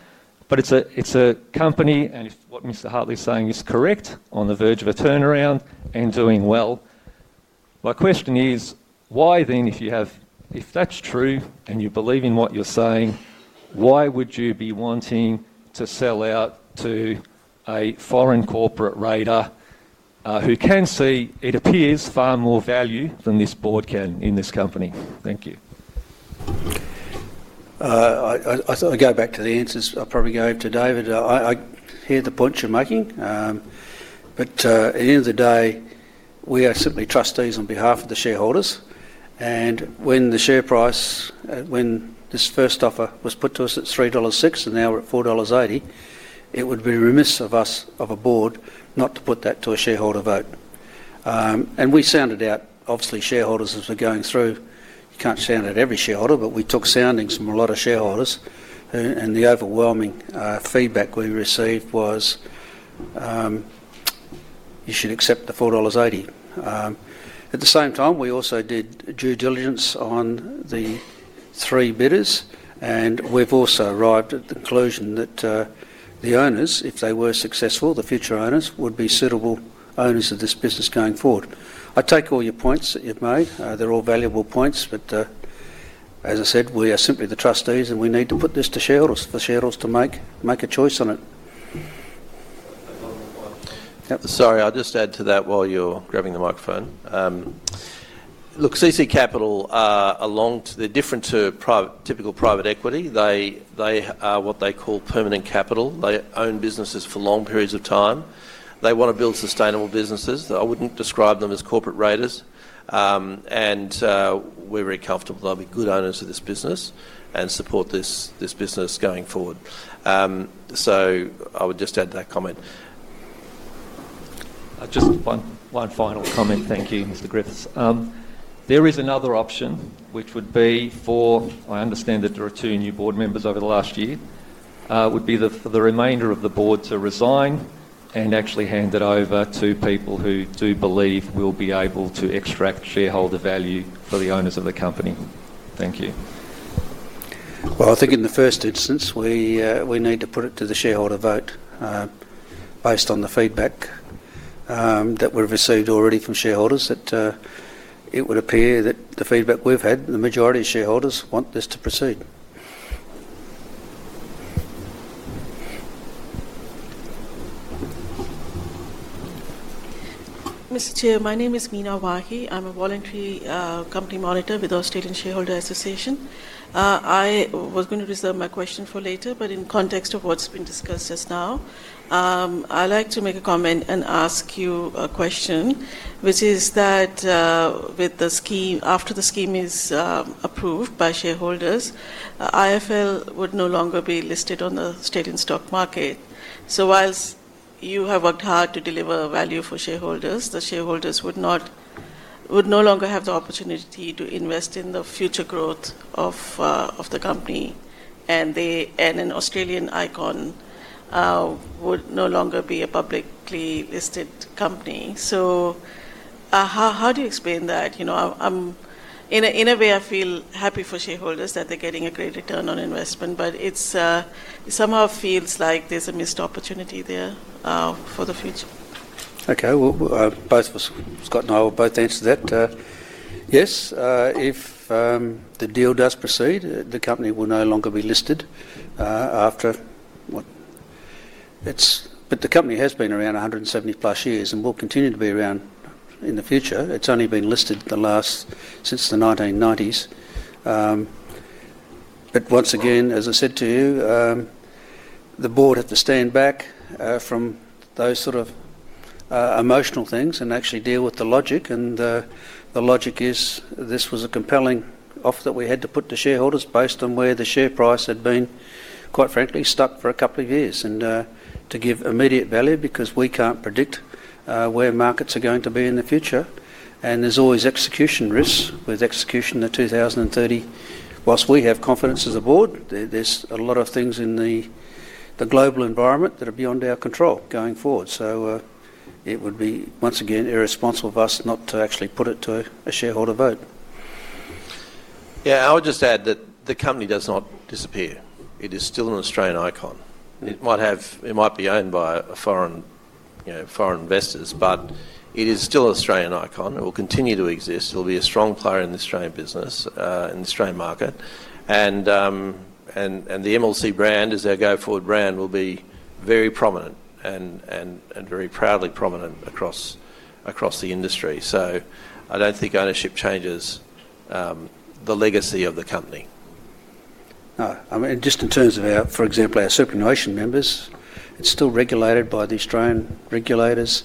[SPEAKER 4] It is a Company, and what Mr. Hartley is saying is correct, on the verge of a turnaround and doing well. My question is, why then, if that's true and you believe in what you're saying, why would you be wanting to sell out to a foreign corporate raider who can see, it appears, far more value than this Board can in this Company? Thank you.
[SPEAKER 1] I thought I'd go back to the answers. I'll probably go over to David. I hear the point you're making. At the end of the day, we are simply trustees on behalf of the shareholders. When the share price, when this first offer was put to us at 3.06 dollars and now we are at 4.80 dollars, it would be remiss of us, of a Board, not to put that to a shareholder vote. We sounded out, obviously, shareholders as we were going through. You cannot sound out every shareholder, but we took soundings from a lot of shareholders. The overwhelming feedback we received was, "You should accept the 4.80 dollars." At the same time, we also did due diligence on the three bidders. We have also arrived at the conclusion that the owners, if they were successful, the future owners, would be suitable owners of this business going forward. I take all your points that you have made. They are all valuable points. As I said, we are simply the trustees, and we need to put this to shareholders for shareholders to make a choice on it.
[SPEAKER 2] Sorry, I'll just add to that while you're grabbing the microphone. Look, CC Capital are along too. They're different to typical private equity. They are what they call permanent capital. They own businesses for long periods of time. They want to build sustainable businesses. I wouldn't describe them as corporate raiders. We're very comfortable they'll be good owners of this business and support this business going forward. I would just add to that comment.
[SPEAKER 4] Just one final comment. Thank you, Mr. Griffiths. There is another option, which would be for I understand that there are two new Board members over the last year, would be for the remainder of the Board to resign and actually hand it over to people who do believe we'll be able to extract shareholder value for the owners of the Company. Thank you.
[SPEAKER 1] I think in the first instance, we need to put it to the shareholder vote based on the feedback that we've received already from shareholders that it would appear that the feedback we've had, the majority of shareholders want this to proceed.
[SPEAKER 5] Mr. Chair, my name is Meena Wahi. I'm a voluntary company monitor with the Australian Shareholder Association. I was going to reserve my question for later, but in context of what's been discussed just now, I'd like to make a comment and ask you a question, which is that with the scheme, after the scheme is approved by shareholders, IFL would no longer be listed on the state and stock market. Whilst you have worked hard to deliver value for shareholders, the shareholders would no longer have the opportunity to invest in the future growth of the Company. An Australian icon would no longer be a publicly listed company. How do you explain that? In a way, I feel happy for shareholders that they're getting a great return on investment, but it somehow feels like there's a missed opportunity there for the future.
[SPEAKER 1] Okay. Both of us, Scott and I, will both answer that. Yes. If the deal does proceed, the Company will no longer be listed after what? The company has been around 170+ years and will continue to be around in the future. It's only been listed since the 1990s. Once again, as I said to you, the Board had to stand back from those sort of emotional things and actually deal with the logic. The logic is this was a compelling offer that we had to put to shareholders based on where the share price had been, quite frankly, stuck for a couple of years and to give immediate value because we can't predict where markets are going to be in the future. There's always execution risks with execution in 2030. Whilst we have confidence as a Board, there's a lot of things in the global environment that are beyond our control going forward. It would be, once again, irresponsible of us not to actually put it to a shareholder vote.
[SPEAKER 2] I'll just add that the Company does not disappear. It is still an Australian icon. It might be owned by foreign investors, but it is still an Australian icon. It will continue to exist. It'll be a strong player in the Australian business, in the Australian market. The MLC brand, as our go-forward brand, will be very prominent and very proudly prominent across the industry. I don't think ownership changes the legacy of the Company.
[SPEAKER 1] I mean, just in terms of, for example, our Superannuation members, it's still regulated by the Australian regulators.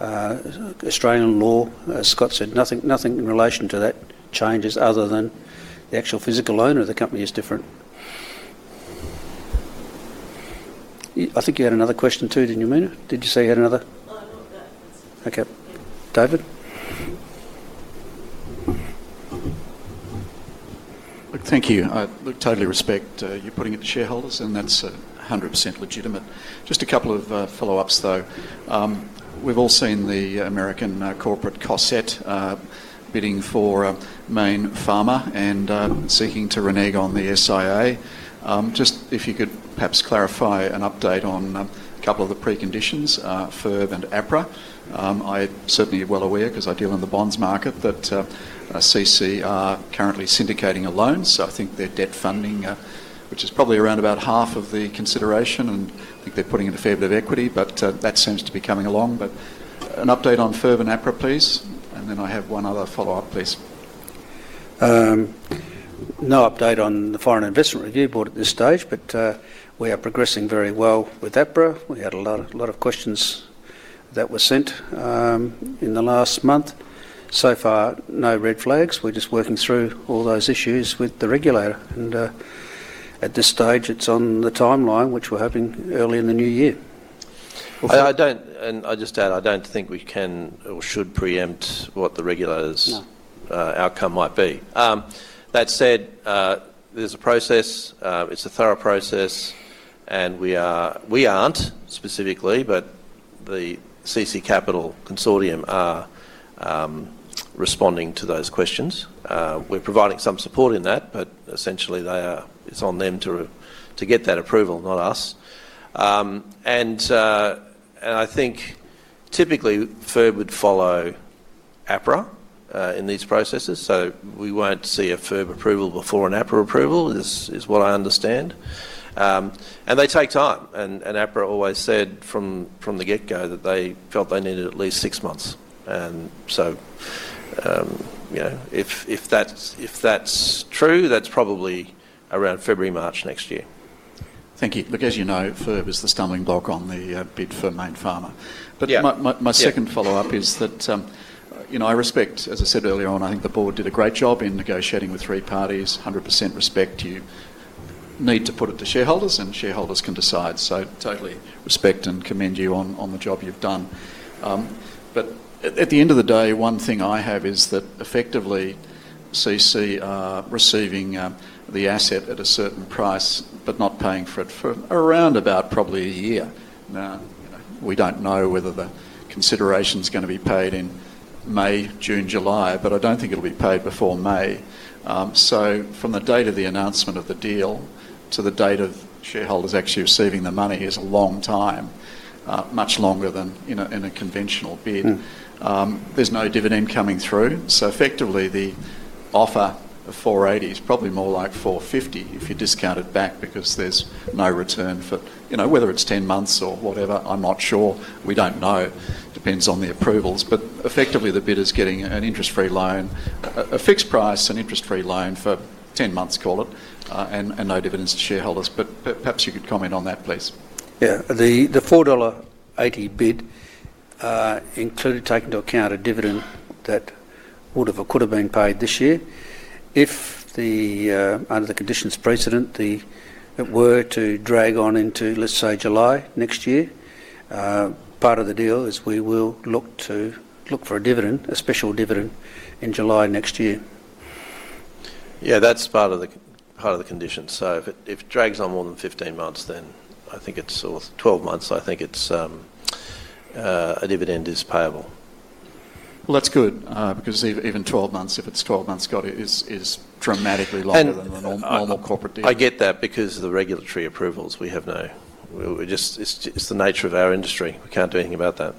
[SPEAKER 1] Australian law, as Scott said, nothing in relation to that changes other than the actual physical owner of the Company is different. I think you had another question too, didn't you, Meena? Did you say you had another?
[SPEAKER 5] Oh, not that. That's it.
[SPEAKER 3] Okay. David? Thank you. I totally respect you putting it to shareholders, and that's 100% legitimate. Just a couple of follow-ups, though. We've all seen the American corporate Cosette bidding for Mayne Pharma and seeking to renege on the SIA. If you could perhaps clarify and update on a couple of the preconditions, FIRB and APRA. I'm certainly well aware because I deal in the bonds market that CC are currently syndicating a loan. I think their debt funding, which is probably around about half of the consideration, and I think they're putting in a fair bit of equity, but that seems to be coming along. An update on FIRB and APRA, please. I have one other follow-up, please.
[SPEAKER 1] No update on the Foreign Investment Review Board at this stage, but we are progressing very well with APRA. We had a lot of questions that were sent in the last month. So far, no red flags. We're just working through all those issues with the regulator. At this stage, it's on the timeline, which we're hoping early in the new year.
[SPEAKER 2] I just add, I don't think we can or should preempt what the regulator's outcome might be. That said, there's a process. It's a thorough process. We aren't specifically, but the CC Capital Consortium are responding to those questions. We're providing some support in that, but essentially, it's on them to get that approval, not us. I think typically, FIRB would follow APRA in these processes. We won't see a FIRB approval before an APRA approval, is what I understand. They take time. APRA always said from the get-go that they felt they needed at least six months. If that's true, that's probably around February, March next year.
[SPEAKER 3] Thank you. Look, as you know, FIRB is the stumbling block on the bid for Mayne Pharma. My second follow-up is that I respect, as I said earlier on, I think the Board did a great job in negotiating with three parties. 100% respect. You need to put it to shareholders, and shareholders can decide. I totally respect and commend you on the job you've done. At the end of the day, one thing I have is that effectively, CC are receiving the asset at a certain price but not paying for it for around about probably a year. Now, we don't know whether the consideration's going to be paid in May, June, July, but I don't think it'll be paid before May. From the date of the announcement of the deal to the date of shareholders actually receiving the money is a long time, much longer than in a conventional bid. There's no dividend coming through. Effectively, the offer of 4.80 is probably more like 4.50 if you discount it back because there's no return for whether it's 10 months or whatever. I'm not sure. We don't know. Depends on the approvals. Effectively, the bid is getting an interest-free loan, a fixed-price, an interest-free loan for 10 months, call it, and no dividends to shareholders. Perhaps you could comment on that, please.
[SPEAKER 1] Yeah. The 4.80 dollar bid included taking into account a dividend that would have or could have been paid this year if, under the conditions precedent, it were to drag on into, let's say, July next year. Part of the deal is we will look to look for a dividend, a special dividend, in July next year.
[SPEAKER 2] Yeah. That's part of the conditions. If it drags on more than 15 months, then I think it's or 12 months, I think a dividend is payable.
[SPEAKER 3] That's good because even 12 months, if it's 12 months, Scott, is dramatically longer than a normal corporate deal.
[SPEAKER 2] I get that because of the regulatory approvals. We have no it's the nature of our industry. We can't do anything about that.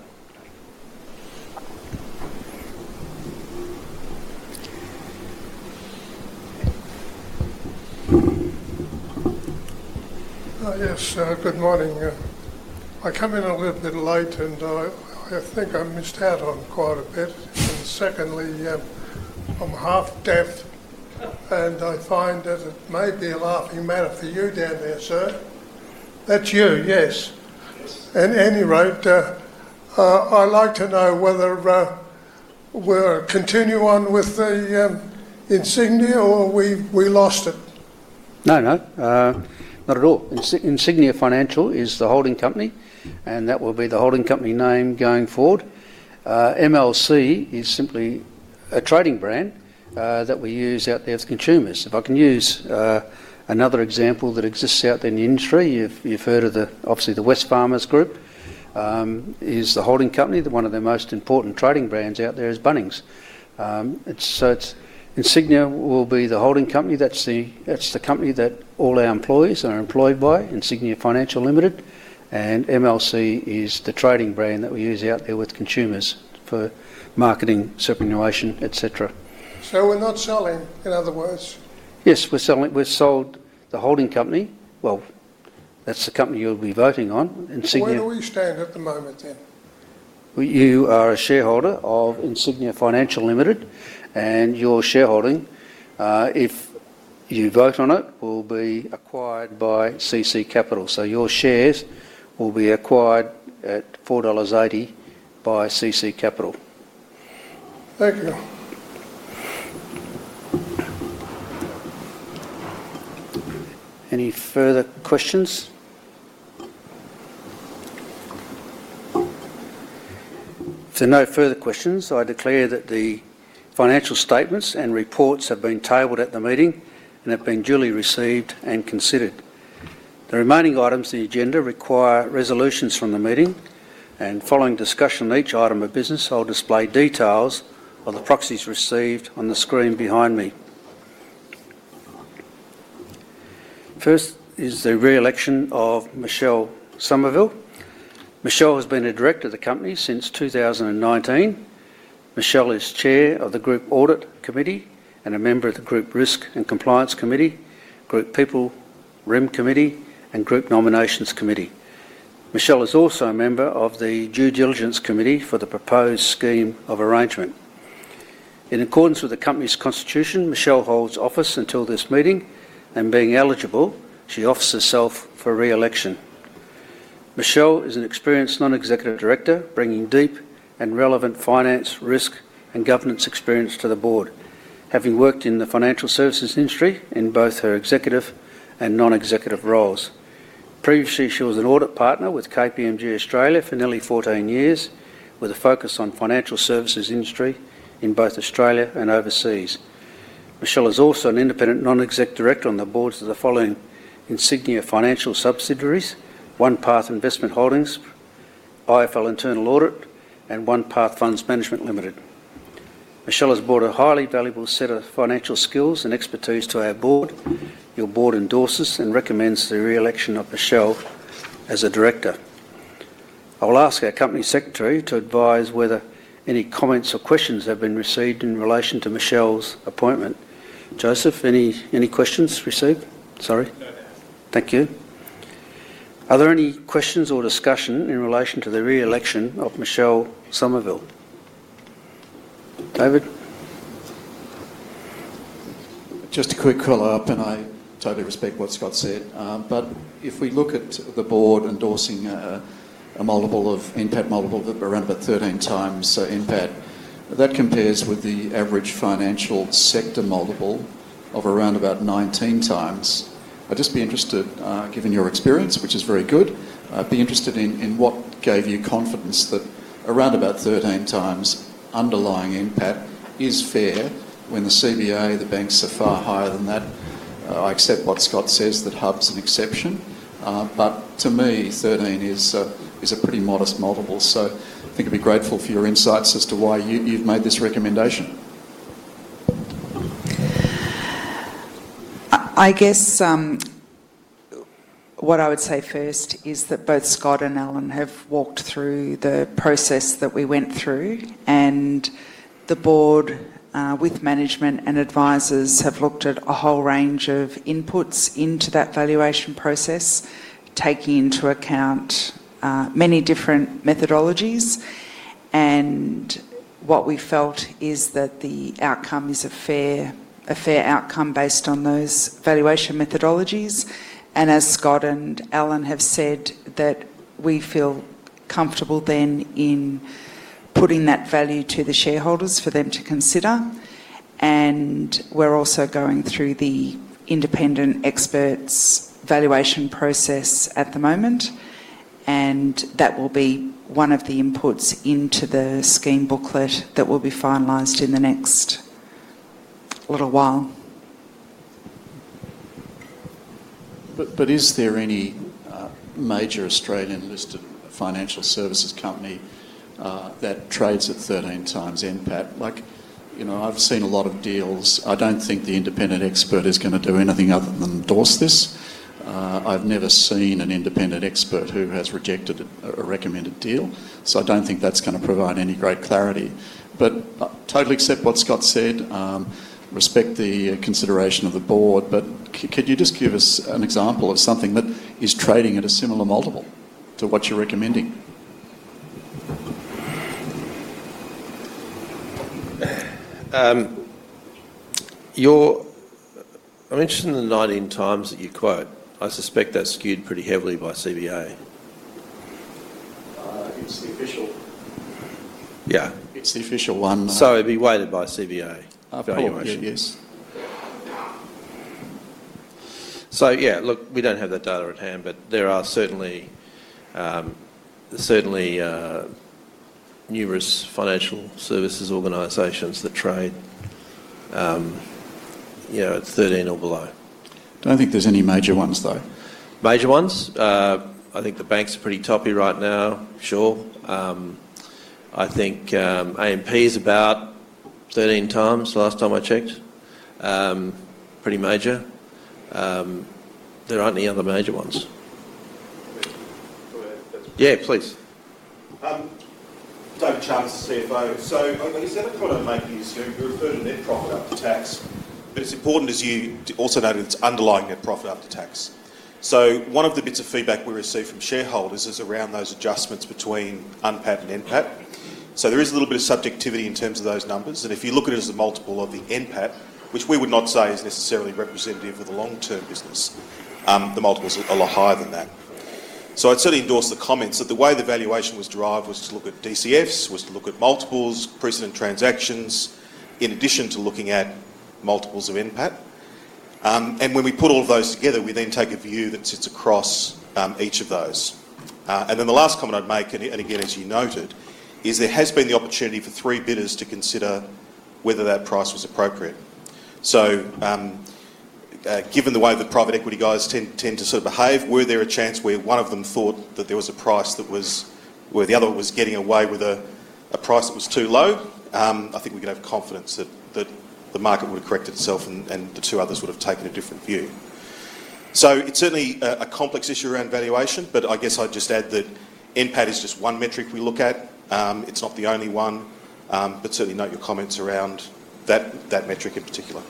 [SPEAKER 6] Yes. Good morning. I come in a little bit late, and I think I missed out on quite a bit. Secondly, I'm half deaf, and I find that it may be a laughing matter for you down there, sir. That's you, yes. Anyway, I'd like to know whether we'll continue on with the Insignia or we lost it.
[SPEAKER 1] No, no. Not at all. Insignia Financial is the holding Company, and that will be the holding Company name going forward. MLC is simply a trading brand that we use out there as consumers. If I can use another example that exists out there in the industry, you've heard of, obviously, the Wesfarmers group, is the holding company that one of their most important trading brands out there is Bunnings. Insignia will be the holding company. That's the company that all our employees are employed by, Insignia Financial Limited. MLC is the trading brand that we use out there with consumers for marketing, superannuation, et cetera.
[SPEAKER 6] We're not selling, in other words?
[SPEAKER 1] Yes. We sold the holding Company. That is the Company you'll be voting on, Insignia.
[SPEAKER 6] Where do we stand at the moment, then?
[SPEAKER 1] You are a shareholder of Insignia Financial Limited, and your shareholding, if you vote on it, will be acquired by CC Capital. Your shares will be acquired at 4.80 dollars by CC Capital.
[SPEAKER 6] Thank you.
[SPEAKER 1] Any further questions? If there are no further questions, I declare that the financial statements and reports have been tabled at the meeting and have been duly received and considered. The remaining items in the agenda require resolutions from the meeting. Following discussion on each item of business, I'll display details of the proxies received on the screen behind me. First is the re-election of Michelle Somerville. Michelle has been a director of the company since 2019. Michelle is Chair of the Group Audit Committee and a member of the Group Risk and Compliance Committee, Group People, Rem Committee, and Group Nominations Committee. Michelle is also a member of the Due Diligence Committee for the proposed scheme of arrangement. In accordance with the Company's constitution, Michelle holds office until this meeting. Being eligible, she offers herself for re-election. Michelle is an experienced non-Executive Director bringing deep and relevant finance, risk, and governance experience to the Board, having worked in the financial services industry in both her Executive and Non-Executive roles. Previously, she was an audit partner with KPMG Australia for nearly 14 years with a focus on financial services industry in both Australia and overseas. Michelle is also an independent Non-Executive Director on the boards of the following: Insignia Financial subsidiaries, OnePath Investment Holdings, IFL Internal Audit, and OnePath Funds Management Limited. Michelle has brought a highly valuable set of financial skills and expertise to our Board. Your Board endorses and recommends the re-election of Michelle as a Director. I will ask our Company Secretary to advise whether any comments or questions have been received in relation to Michelle's appointment. Joseph, any questions received? Sorry. No. Thank you. Are there any questions or discussion in relation to the re-election of Michelle Somerville? David?
[SPEAKER 3] Just a quick follow-up, and I totally respect what Scott said. If we look at the Board endorsing a multiple of impact multiple of around about 13x impact, that compares with the average financial sector multiple of around about 19x. I'd just be interested, given your experience, which is very good, be interested in what gave you confidence that around about 13x underlying NPAT is fair when the CBA, the banks are far higher than that. I accept what Scott says, that HUB's an exception. To me, 13 is a pretty modest multiple. I think I'd be grateful for your insights as to why you've made this recommendation.
[SPEAKER 7] I guess what I would say first is that both Scott and Allan have walked through the process that we went through. The Board, with management and advisors, have looked at a whole range of inputs into that valuation process, taking into account many different methodologies. What we felt is that the outcome is a fair outcome based on those valuation methodologies. As Scott and Allan have said, we feel comfortable then in putting that value to the shareholders for them to consider. We're also going through the independent experts' valuation process at the moment. That will be one of the inputs into the scheme booklet that will be finalized in the next little while.
[SPEAKER 3] Is there any major Australian listed financial services company that trades at 13x NPAT? I've seen a lot of deals. I don't think the independent expert is going to do anything other than endorse this. I've never seen an independent expert who has rejected a recommended deal. I don't think that's going to provide any great clarity. I totally accept what Scott said, respect the consideration of the Board. Could you just give us an example of something that is trading at a similar multiple to what you're recommending?
[SPEAKER 2] I'm interested in the 19x that you quote. I suspect that's skewed pretty heavily by CBA.
[SPEAKER 3] It's the official.
[SPEAKER 2] Yeah.
[SPEAKER 3] It's the official one.
[SPEAKER 2] It'd be weighted by CBA.
[SPEAKER 3] I've got your answer. Yes.
[SPEAKER 2] Look, we don't have that data at hand, but there are certainly numerous financial services organizations that trade at 13 or below.
[SPEAKER 3] Don't think there's any major ones, though.
[SPEAKER 2] Major ones? I think the banks are pretty toppy right now, sure. I think AMP is about 13x last time I checked. Pretty major. There aren't any other major ones. Yeah, please.
[SPEAKER 8] David Chalmers, CFO. You said I kind of made the assumption you referred to net profit after tax, but it's important as you also noted it's underlying net profit after tax. One of the bits of feedback we receive from shareholders is around those adjustments between unpaid and impact. There is a little bit of subjectivity in terms of those numbers. If you look at it as a multiple of the impact, which we would not say is necessarily representative of the long-term business, the multiple is a lot higher than that. I would certainly endorse the comments that the way the valuation was derived was to look at DCFs, to look at multiples, precedent transactions, in addition to looking at multiples of impact. When we put all of those together, we then take a view that sits across each of those. The last comment I would make, and again, as you noted, is there has been the opportunity for three bidders to consider whether that price was appropriate. Given the way the private equity guys tend to sort of behave, were there a chance where one of them thought that there was a price that was where the other one was getting away with a price that was too low, I think we could have confidence that the market would have corrected itself and the two others would have taken a different view. It is certainly a complex issue around valuation, but I guess I'd just add that NPAT is just one metric we look at. It's not the only one, but certainly note your comments around that metric in particular.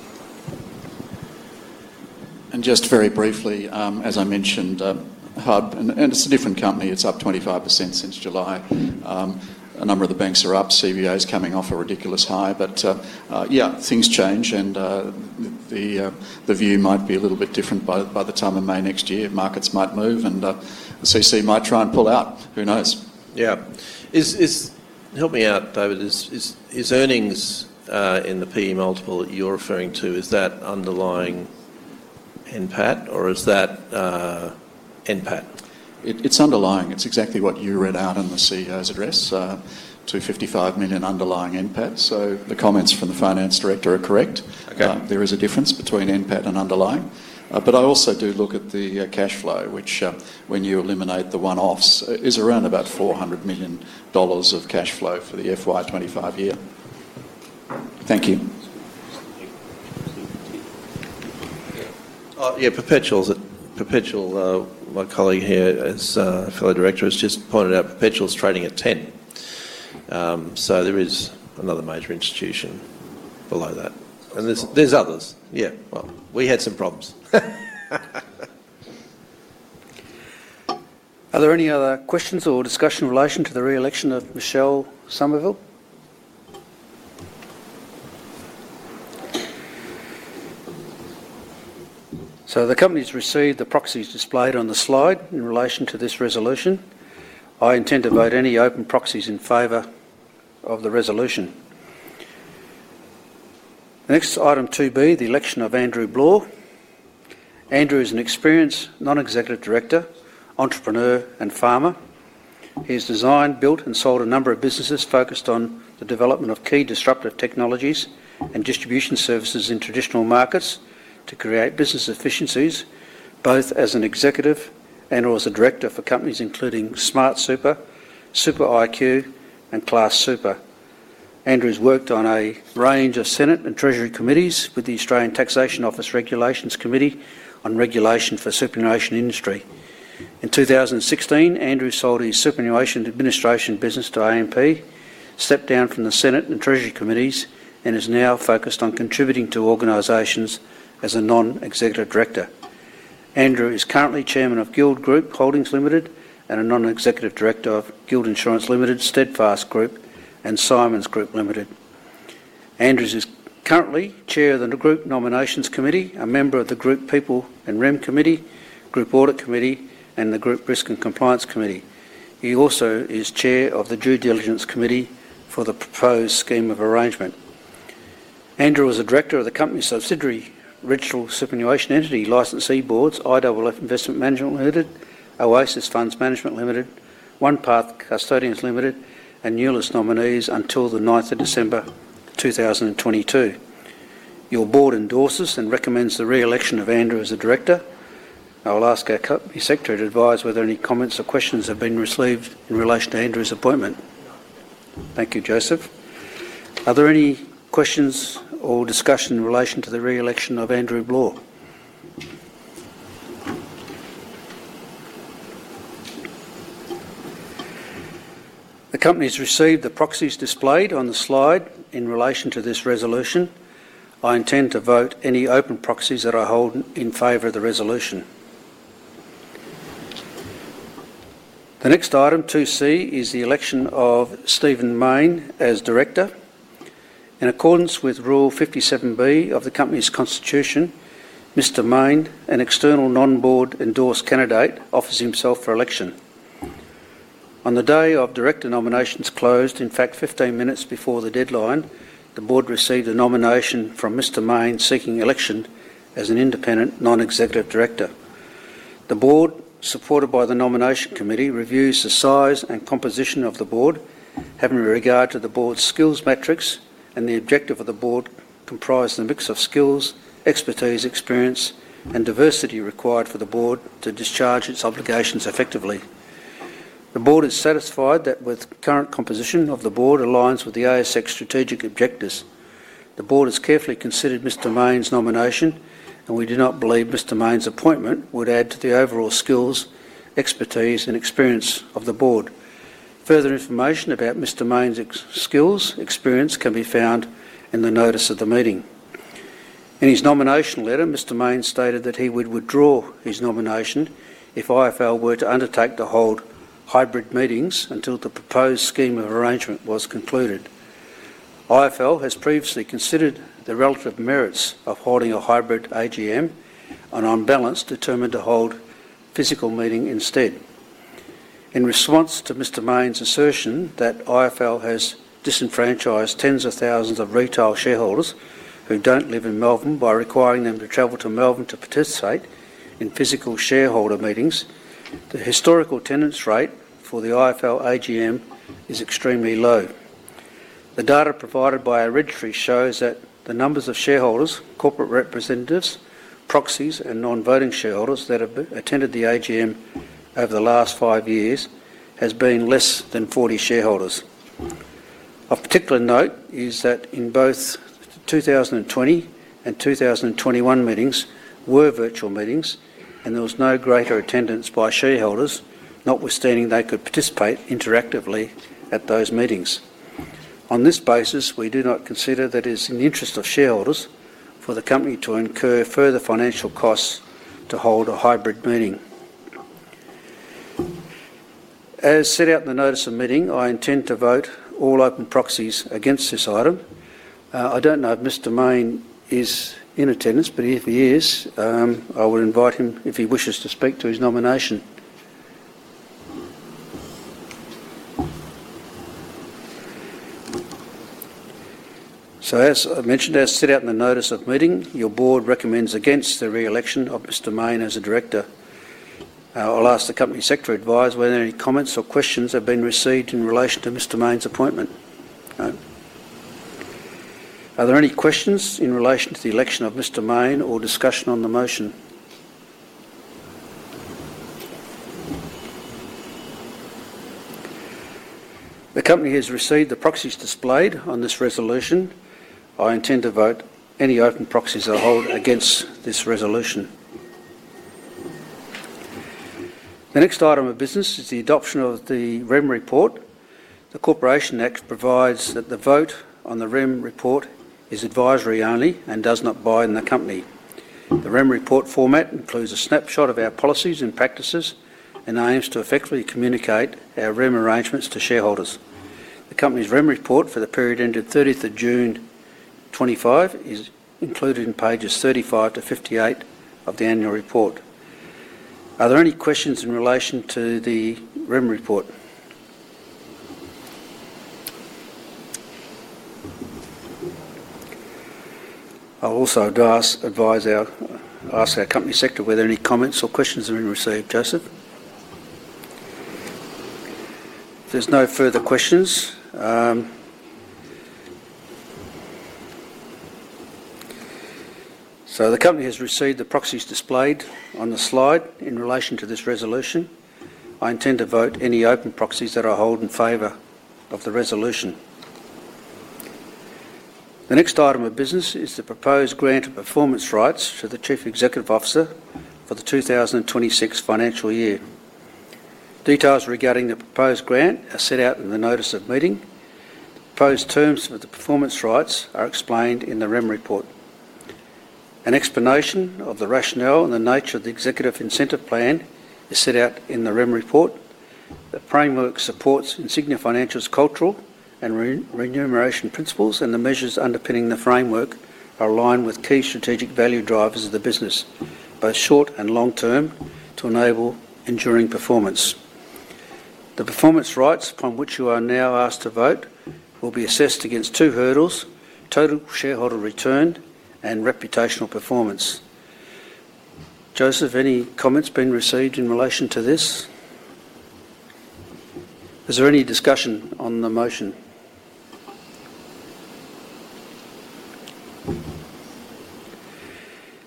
[SPEAKER 3] Just very briefly, as I mentioned, HUB, and it's a different company. It's up 25% since July. A number of the banks are up. CBA's coming off a ridiculous high. Yeah, things change, and the view might be a little bit different by the time of May next year. Markets might move, and CC might try and pull out. Who knows?
[SPEAKER 2] Yeah. Help me out, David. Is earnings in the PE multiple that you're referring to, is that underlying NPAT, or is that NPAT?
[SPEAKER 3] It's underlying. It's exactly what you read out in the CEO's address, 255 million underlying NPAT. The comments from the Finance Director are correct. There is a difference between NPAT and underlying. I also do look at the cash flow, which when you eliminate the one-offs, is around about 400 million dollars of cash flow for the FY25 year. Thank you.
[SPEAKER 2] Yeah. Perpetual, my colleague here, as fellow director, has just pointed out Perpetual's trading at 10. There is another major institution below that. There's others. Yeah. We had some problems.
[SPEAKER 1] Are there any other questions or discussion in relation to the re-election of Michelle Somerville? The companies receive the proxies displayed on the slide in relation to this resolution. I intend to vote any open proxies in favor of the resolution. Next, item 2B, the election of Andrew Bloore. Andrew is an experienced Non-Executive Director, entrepreneur, and farmer. He has designed, built, and sold a number of businesses focused on the development of key disruptive technologies and distribution services in traditional markets to create business efficiencies, both as an executive and/or as a director for companies including SmartSuper, SuperIQ, and Class Super. Andrew's worked on a range of Senate and Treasury committees with the Australian Taxation Office Regulations Committee on regulation for the superannuation industry. In 2016, Andrew sold his Superannuation Administration business to AMP, stepped down from the Senate and Treasury committees, and is now focused on contributing to organizations as a Non-Executive Director. Andrew is currently Chairman of Guild Group Holdings Limited and a Non-executive Director of Guild Insurance Limited, Steadfast Group, and Simons Group Limited. Andrew is currently Chair of the Group Nominations Committee, a member of the Group People and Rem Committee, Group Audit Committee, and the Group Risk and Compliance Committee. He also is Chair of the Due Diligence Committee for the proposed scheme of arrangement. Andrew is a Director of the Company's subsidiary Registrable Superannuation Entity, Licensee Boards, IFL Investment Management Limited, Oasis Funds Management Limited, OnePath Custodians Limited, and New List Nominees until the 9th of December 2022. Your Board endorses and recommends the re-election of Andrew as a Director. I will ask our Company Secretary to advise whether any comments or questions have been received in relation to Andrew's appointment. Thank you, Joseph. Are there any questions or discussion in relation to the re-election of Andrew Bloore? The Company has received the proxies displayed on the slide in relation to this resolution. I intend to vote any open proxies that I hold in favor of the resolution. The next item, 2C, is the election of Stephen Maine as Director. In accordance with Rule 57B of the Company's constitution, Mr. Maine, an external Non-Board endorsed candidate, offers himself for election. On the day Director nominations closed, in fact, 15 minutes before the deadline, the Board received a nomination from Mr. Maine seeking election as an Independent Non-Executive Director. The Board, supported by the Nomination Committee, reviews the size and composition of the Board, having regard to the Board's skills matrix, and the objective of the Board comprised the mix of skills, expertise, experience, and diversity required for the Board to discharge its obligations effectively. The Board is satisfied that the current composition of the Board aligns with the ASX strategic objectives. The Board has carefully considered Mr. Maine's nomination, and we do not believe Mr. Maine's appointment would add to the overall skills, expertise, and experience of the Board. Further information about Mr. Maine's skills experience can be found in the notice of the meeting. In his nomination letter, Mr. Maine stated that he would withdraw his nomination if IFL were to undertake to hold hybrid meetings until the proposed scheme of arrangement was concluded. IFL has previously considered the relative merits of holding a hybrid AGM, and on balance, determined to hold a physical meeting instead. In response to Mr. Maine's assertion that IFL has disenfranchised tens of thousands of retail shareholders who do not live in Melbourne by requiring them to travel to Melbourne to participate in physical shareholder meetings, the historical attendance rate for the IFL AGM is extremely low. The data provided by our registry shows that the numbers of shareholders, corporate representatives, proxies, and non-voting shareholders that have attended the AGM over the last five years has been less than 40 shareholders. Of particular note is that in both 2020 and 2021, meetings were virtual meetings, and there was no greater attendance by shareholders, notwithstanding they could participate interactively at those meetings. On this basis, we do not consider that it is in the interest of shareholders for the Company to incur further financial costs to hold a hybrid meeting. As set out in the notice of meeting, I intend to vote all open proxies against this item. I don't know if Mr. Maine is in attendance, but if he is, I would invite him if he wishes to speak to his nomination. As I mentioned, as set out in the notice of meeting, your Board recommends against the re-election of Mr. Maine as a Director. I'll ask the Company Secretary to advise whether any comments or questions have been received in relation to Mr. Maine's appointment. Are there any questions in relation to the election of Mr. Maine or discussion on the motion? The Company has received the proxies displayed on this resolution. I intend to vote any open proxies I hold against this resolution. The next item of business is the adoption of the REM report. The Corporations Act provides that the vote on the REM report is advisory only and does not bind the Company. The REM report format includes a snapshot of our policies and practices and aims to effectively communicate our REM arrangements to shareholders. The Company's REM report for the period ended 30th June 2025 is included in pages 35-58 of the annual report. Are there any questions in relation to the REM report? I'll also advise our Company Secretary whether any comments or questions have been received, Joseph. There are no further questions. The Company has received the proxies displayed on the slide in relation to this resolution. I intend to vote any open proxies that I hold in favor of the resolution. The next item of business is the proposed grant of performance rights to the Chief Executive Officer for the 2026 financial year. Details regarding the proposed grant are set out in the notice of meeting. Proposed terms for the performance rights are explained in the REM report. An explanation of the rationale and the nature of the Executive incentive plan is set out in the REM report. The framework supports Insignia Financial's cultural and remuneration principles, and the measures underpinning the framework are aligned with key strategic value drivers of the business, both short and long term, to enable enduring performance. The performance rights upon which you are now asked to vote will be assessed against two hurdles: total shareholder return and reputational performance. Joseph, any comments been received in relation to this? Is there any discussion on the motion?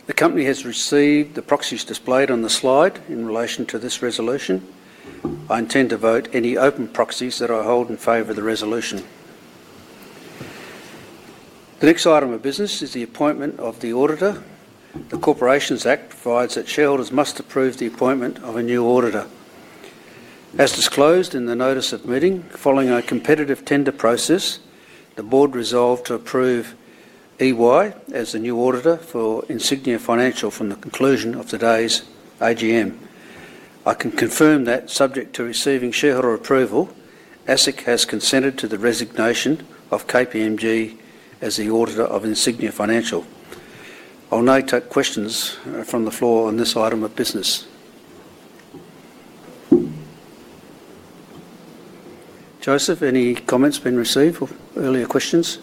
[SPEAKER 1] The Company has received the proxies displayed on the slide in relation to this resolution. I intend to vote any open proxies that I hold in favor of the resolution. The next item of business is the appointment of the Auditor. The Corporations Act provides that shareholders must approve the appointment of a new Auditor. As disclosed in the notice of meeting, following a competitive tender process, the Board resolved to approve EY as the new Auditor for Insignia Financial from the conclusion of today's AGM. I can confirm that, subject to receiving shareholder approval, ASIC has consented to the resignation of KPMG as the Auditor of Insignia Financial. I'll now take questions from the floor on this item of business. Joseph, any comments been received for earlier questions?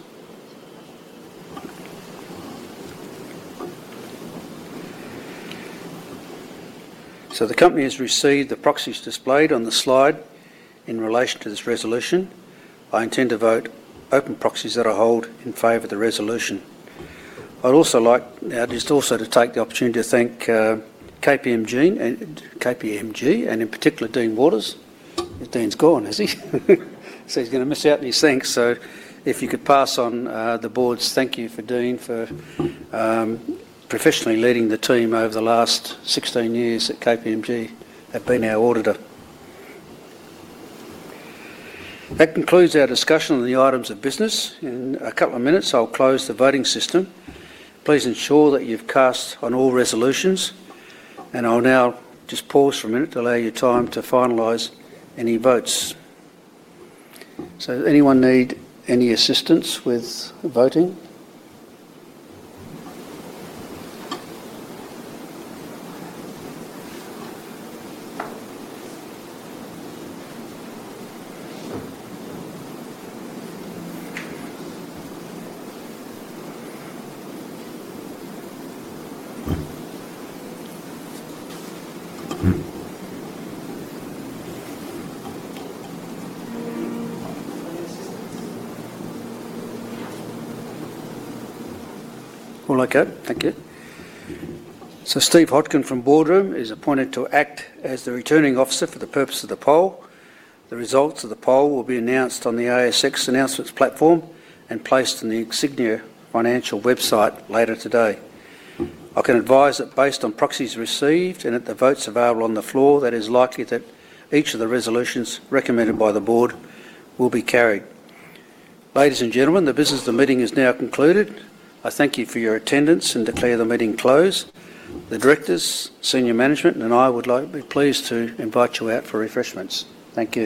[SPEAKER 1] The Company has received the proxies displayed on the slide in relation to this resolution. I intend to vote open proxies that I hold in favor of the resolution. I'd also like just also to take the opportunity to thank KPMG and in particular, Dean Waters. Dean's gone, has he? He's going to miss out in his thing. If you could pass on the Board's thank you for Dean for professionally leading the team over the last 16 years at KPMG, have been our Auditor. That concludes our discussion on the items of business. In a couple of minutes, I'll close the voting system. Please ensure that you've cast on all resolutions. I'll now just pause for a minute to allow you time to finalize any votes. Anyone need any assistance with voting? All okay. Thank you. Steve Hodkin from BoardRoom is appointed to act as the returning officer for the purpose of the poll. The results of the poll will be announced on the ASX announcements platform and placed in the Insignia Financial website later today. I can advise that based on proxies received and at the votes available on the floor, that it is likely that each of the resolutions recommended by the Board will be carried. Ladies and gentlemen, the business of the meeting is now concluded. I thank you for your attendance and declare the meeting closed. The Directors, Senior Management, and I would be pleased to invite you out for refreshments. Thank you.